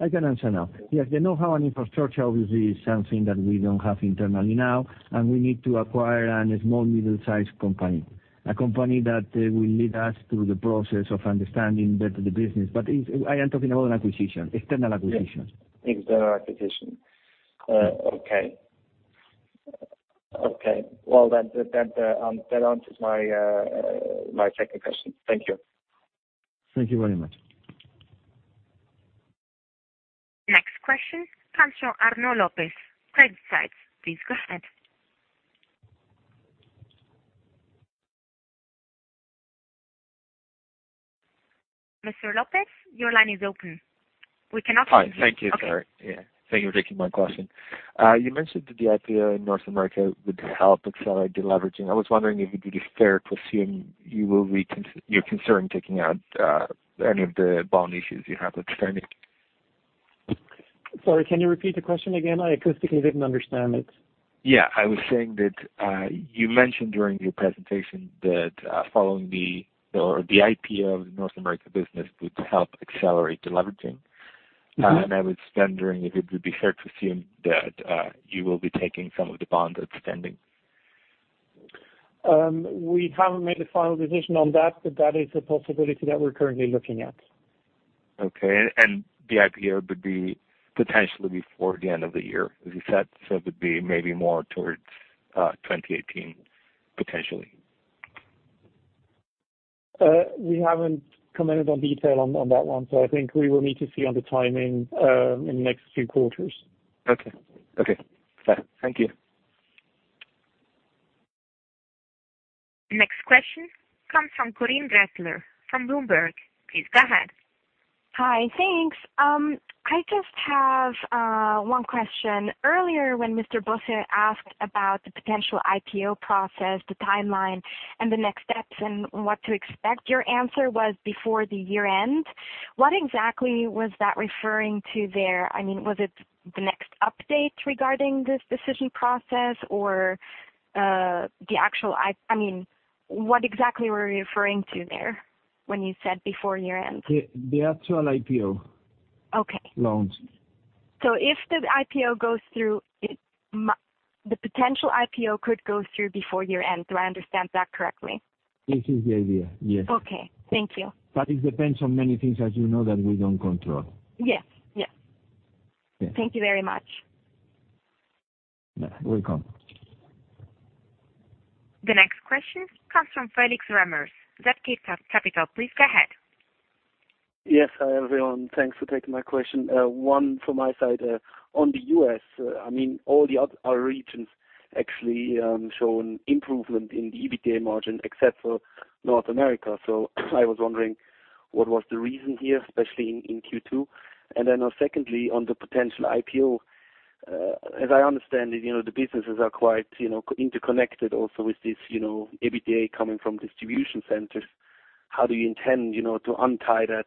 I can answer now. Yes, the know-how and infrastructure obviously is something that we don't have internally now, we need to acquire a small, middle-sized company. A company that will lead us through the process of understanding better the business. I am talking about an acquisition, external acquisition. Yes. External acquisition. Okay. Well, that answers my second question. Thank you. Thank you very much. Next question comes from Arnaud Lopez, Credit Suisse. Please go ahead. Mr. Lopez, your line is open. We cannot hear you. Okay. Hi. Thank you. Sorry. Yeah. Thank you for taking my question. You mentioned that the IPO in North America would help accelerate deleveraging. I was wondering if it would be fair to assume you are considering taking out any of the bond issues you have outstanding. Sorry, can you repeat the question again? I acoustically did not understand it. Yeah. I was saying that, you mentioned during your presentation that following the IPO of the North America business would help accelerate deleveraging. I was wondering if it would be fair to assume that you will be taking some of the bonds outstanding. We haven't made a final decision on that, but that is a possibility that we're currently looking at. Okay. The IPO would be potentially before the end of the year. As you said, so it would be maybe more towards 2018, potentially. We haven't commented on detail on that one. I think we will need to see on the timing in the next few quarters. Okay. Fair. Thank you. Next question comes from Corinne Gretler from Bloomberg. Please go ahead. Hi, thanks. I just have one question. Earlier when Mr. Bosse asked about the potential IPO process, the timeline, and the next steps and what to expect, your answer was before the year-end. What exactly was that referring to there? Was it the next update regarding this decision process or what exactly were you referring to there when you said before year-end? The actual IPO. Okay. Launch. If the IPO goes through, the potential IPO could go through before year-end. Do I understand that correctly? This is the idea, yes. Okay. Thank you. It depends on many things, as you know, that we don't control. Yes. Thank you very much. You're welcome. The next question comes from Felix Remmers, Zürcher Kantonalbank. Please go ahead. Yes. Hi, everyone. Thanks for taking my question. One from my side, on the U.S., all the other regions actually shown improvement in the EBITDA margin except for North America. I was wondering what was the reason here, especially in Q2. Secondly, on the potential IPO, as I understand it, the businesses are quite interconnected also with this EBITDA coming from distribution centers. How do you intend to untie that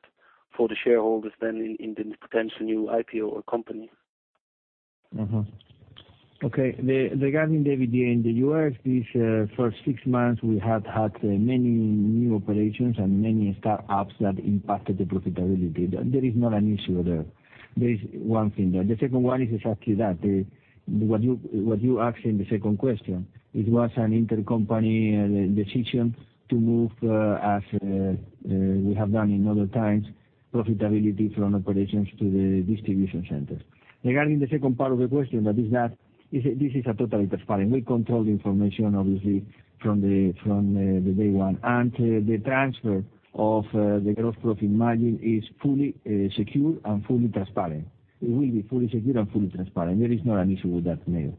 for the shareholders then in the potential new IPO or company? Okay. Regarding the EBITDA in the U.S., these first six months, we have had many new operations and many start-ups that impacted the profitability. There is not an issue there. There is one thing there. The second one is exactly that. What you asked in the second question. It was an intercompany decision to move as we have done in other times, profitability from operations to the distribution center. Regarding the second part of the question, that is that this is a totally transparent. We control the information, obviously, from the day one. The transfer of the gross profit margin is fully secure and fully transparent. It will be fully secure and fully transparent. There is not an issue with that made.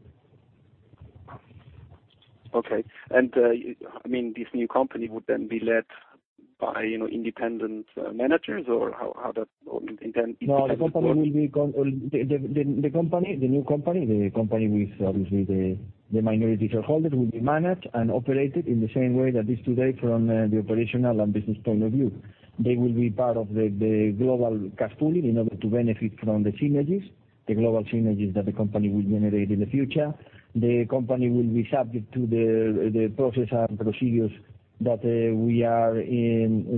Okay. This new company would then be led by independent managers or how that intend to work? No. The new company with obviously the minority shareholder will be managed and operated in the same way that is today from the operational and business point of view. They will be part of the global cash pooling in order to benefit from the synergies, the global synergies that the company will generate in the future. The company will be subject to the process and procedures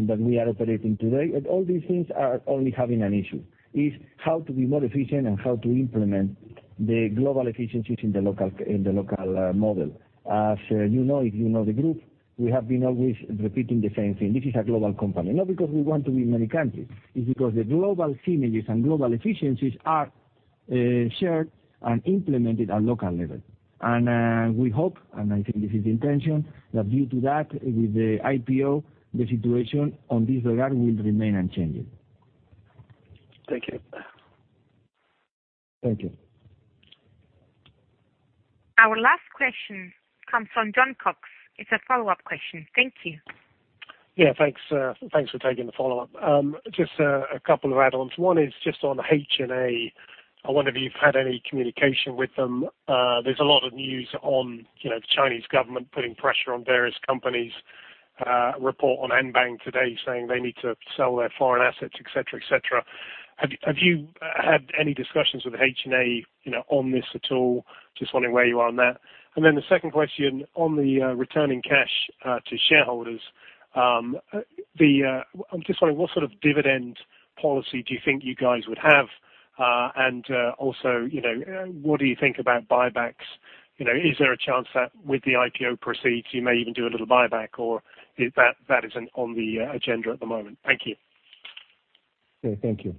that we are operating today. All these things are only having an issue, is how to be more efficient and how to implement the global efficiencies in the local model. As you know, if you know the group, we have been always repeating the same thing. This is a global company, not because we want to be in many countries. It's because the global synergies and global efficiencies are shared and implemented at local level. We hope, and I think this is the intention, that due to that, with the IPO, the situation on this regard will remain unchanged. Thank you. Thank you. Our last question comes from Jon Cox. It's a follow-up question. Thank you. Yeah. Thanks for taking the follow-up. Just a couple of add-ons. One is just on HNA. I wonder if you've had any communication with them. There's a lot of news on the Chinese government putting pressure on various companies. A report on Anbang today saying they need to sell their foreign assets, et cetera. Have you had any discussions with HNA on this at all? Just wondering where you are on that. The second question on the returning cash to shareholders. I'm just wondering what sort of dividend policy do you think you guys would have? What do you think about buybacks? Is there a chance that with the IPO proceeds, you may even do a little buyback or if that isn't on the agenda at the moment? Thank you. Okay, thank you.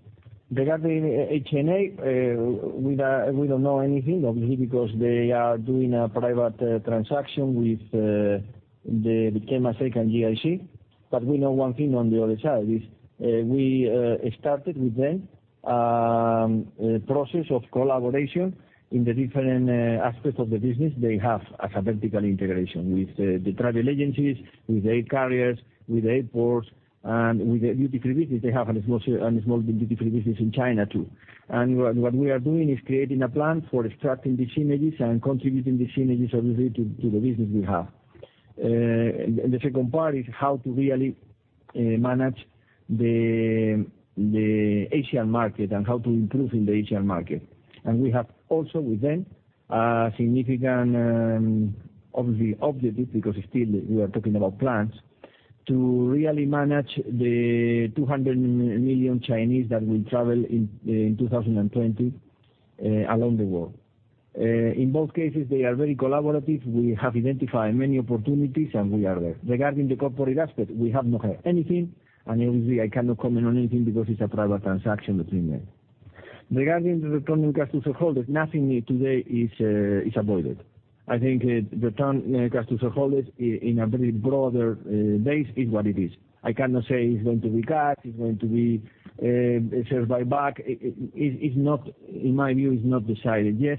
Regarding HNA, we don't know anything, obviously, because they are doing a private transaction with the ChemChina GIC. We know one thing on the other side is we started with them a process of collaboration in the different aspects of the business. They have as a vertical integration with the travel agencies, with air carriers, with airports, and with the duty-free business. They have a small duty-free business in China, too. What we are doing is creating a plan for extracting the synergies and contributing the synergies, obviously, to the business we have. The second part is how to really manage the Asian market and how to improve in the Asian market. We have also with them a significant, obviously objective, because still we are talking about plans, to really manage the 200 million Chinese that will travel in 2020 along the world. In both cases, they are very collaborative. We have identified many opportunities, and we are there. Regarding the corporate aspect, we have not heard anything, and obviously, I cannot comment on anything because it's a private transaction between them. Regarding the return of cash to shareholders, nothing today is avoided. I think return cash to shareholders in a very broader base is what it is. I cannot say it's going to be cut, it's going to be a share buyback. In my view, it's not decided yet,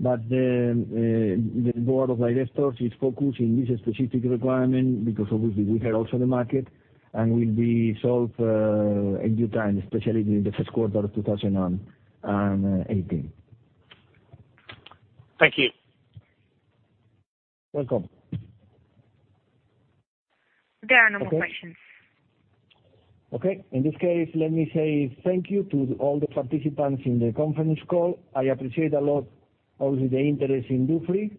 but the board of directors is focused in this specific requirement because obviously we heard also the market, and will be solved in due time, especially during the first quarter of 2018. Thank you. Welcome. There are no more questions. Okay. In this case, let me say thank you to all the participants in the conference call. I appreciate a lot, obviously, the interest in Dufry,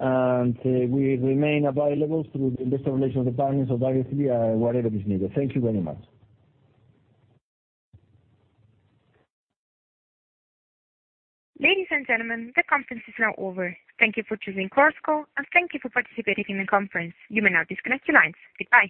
and we remain available through the investor relations department of Dufry, whatever is needed. Thank you very much. Ladies and gentlemen, the conference is now over. Thank you for choosing Chorus Call, and thank you for participating in the conference. You may now disconnect your lines. Goodbye.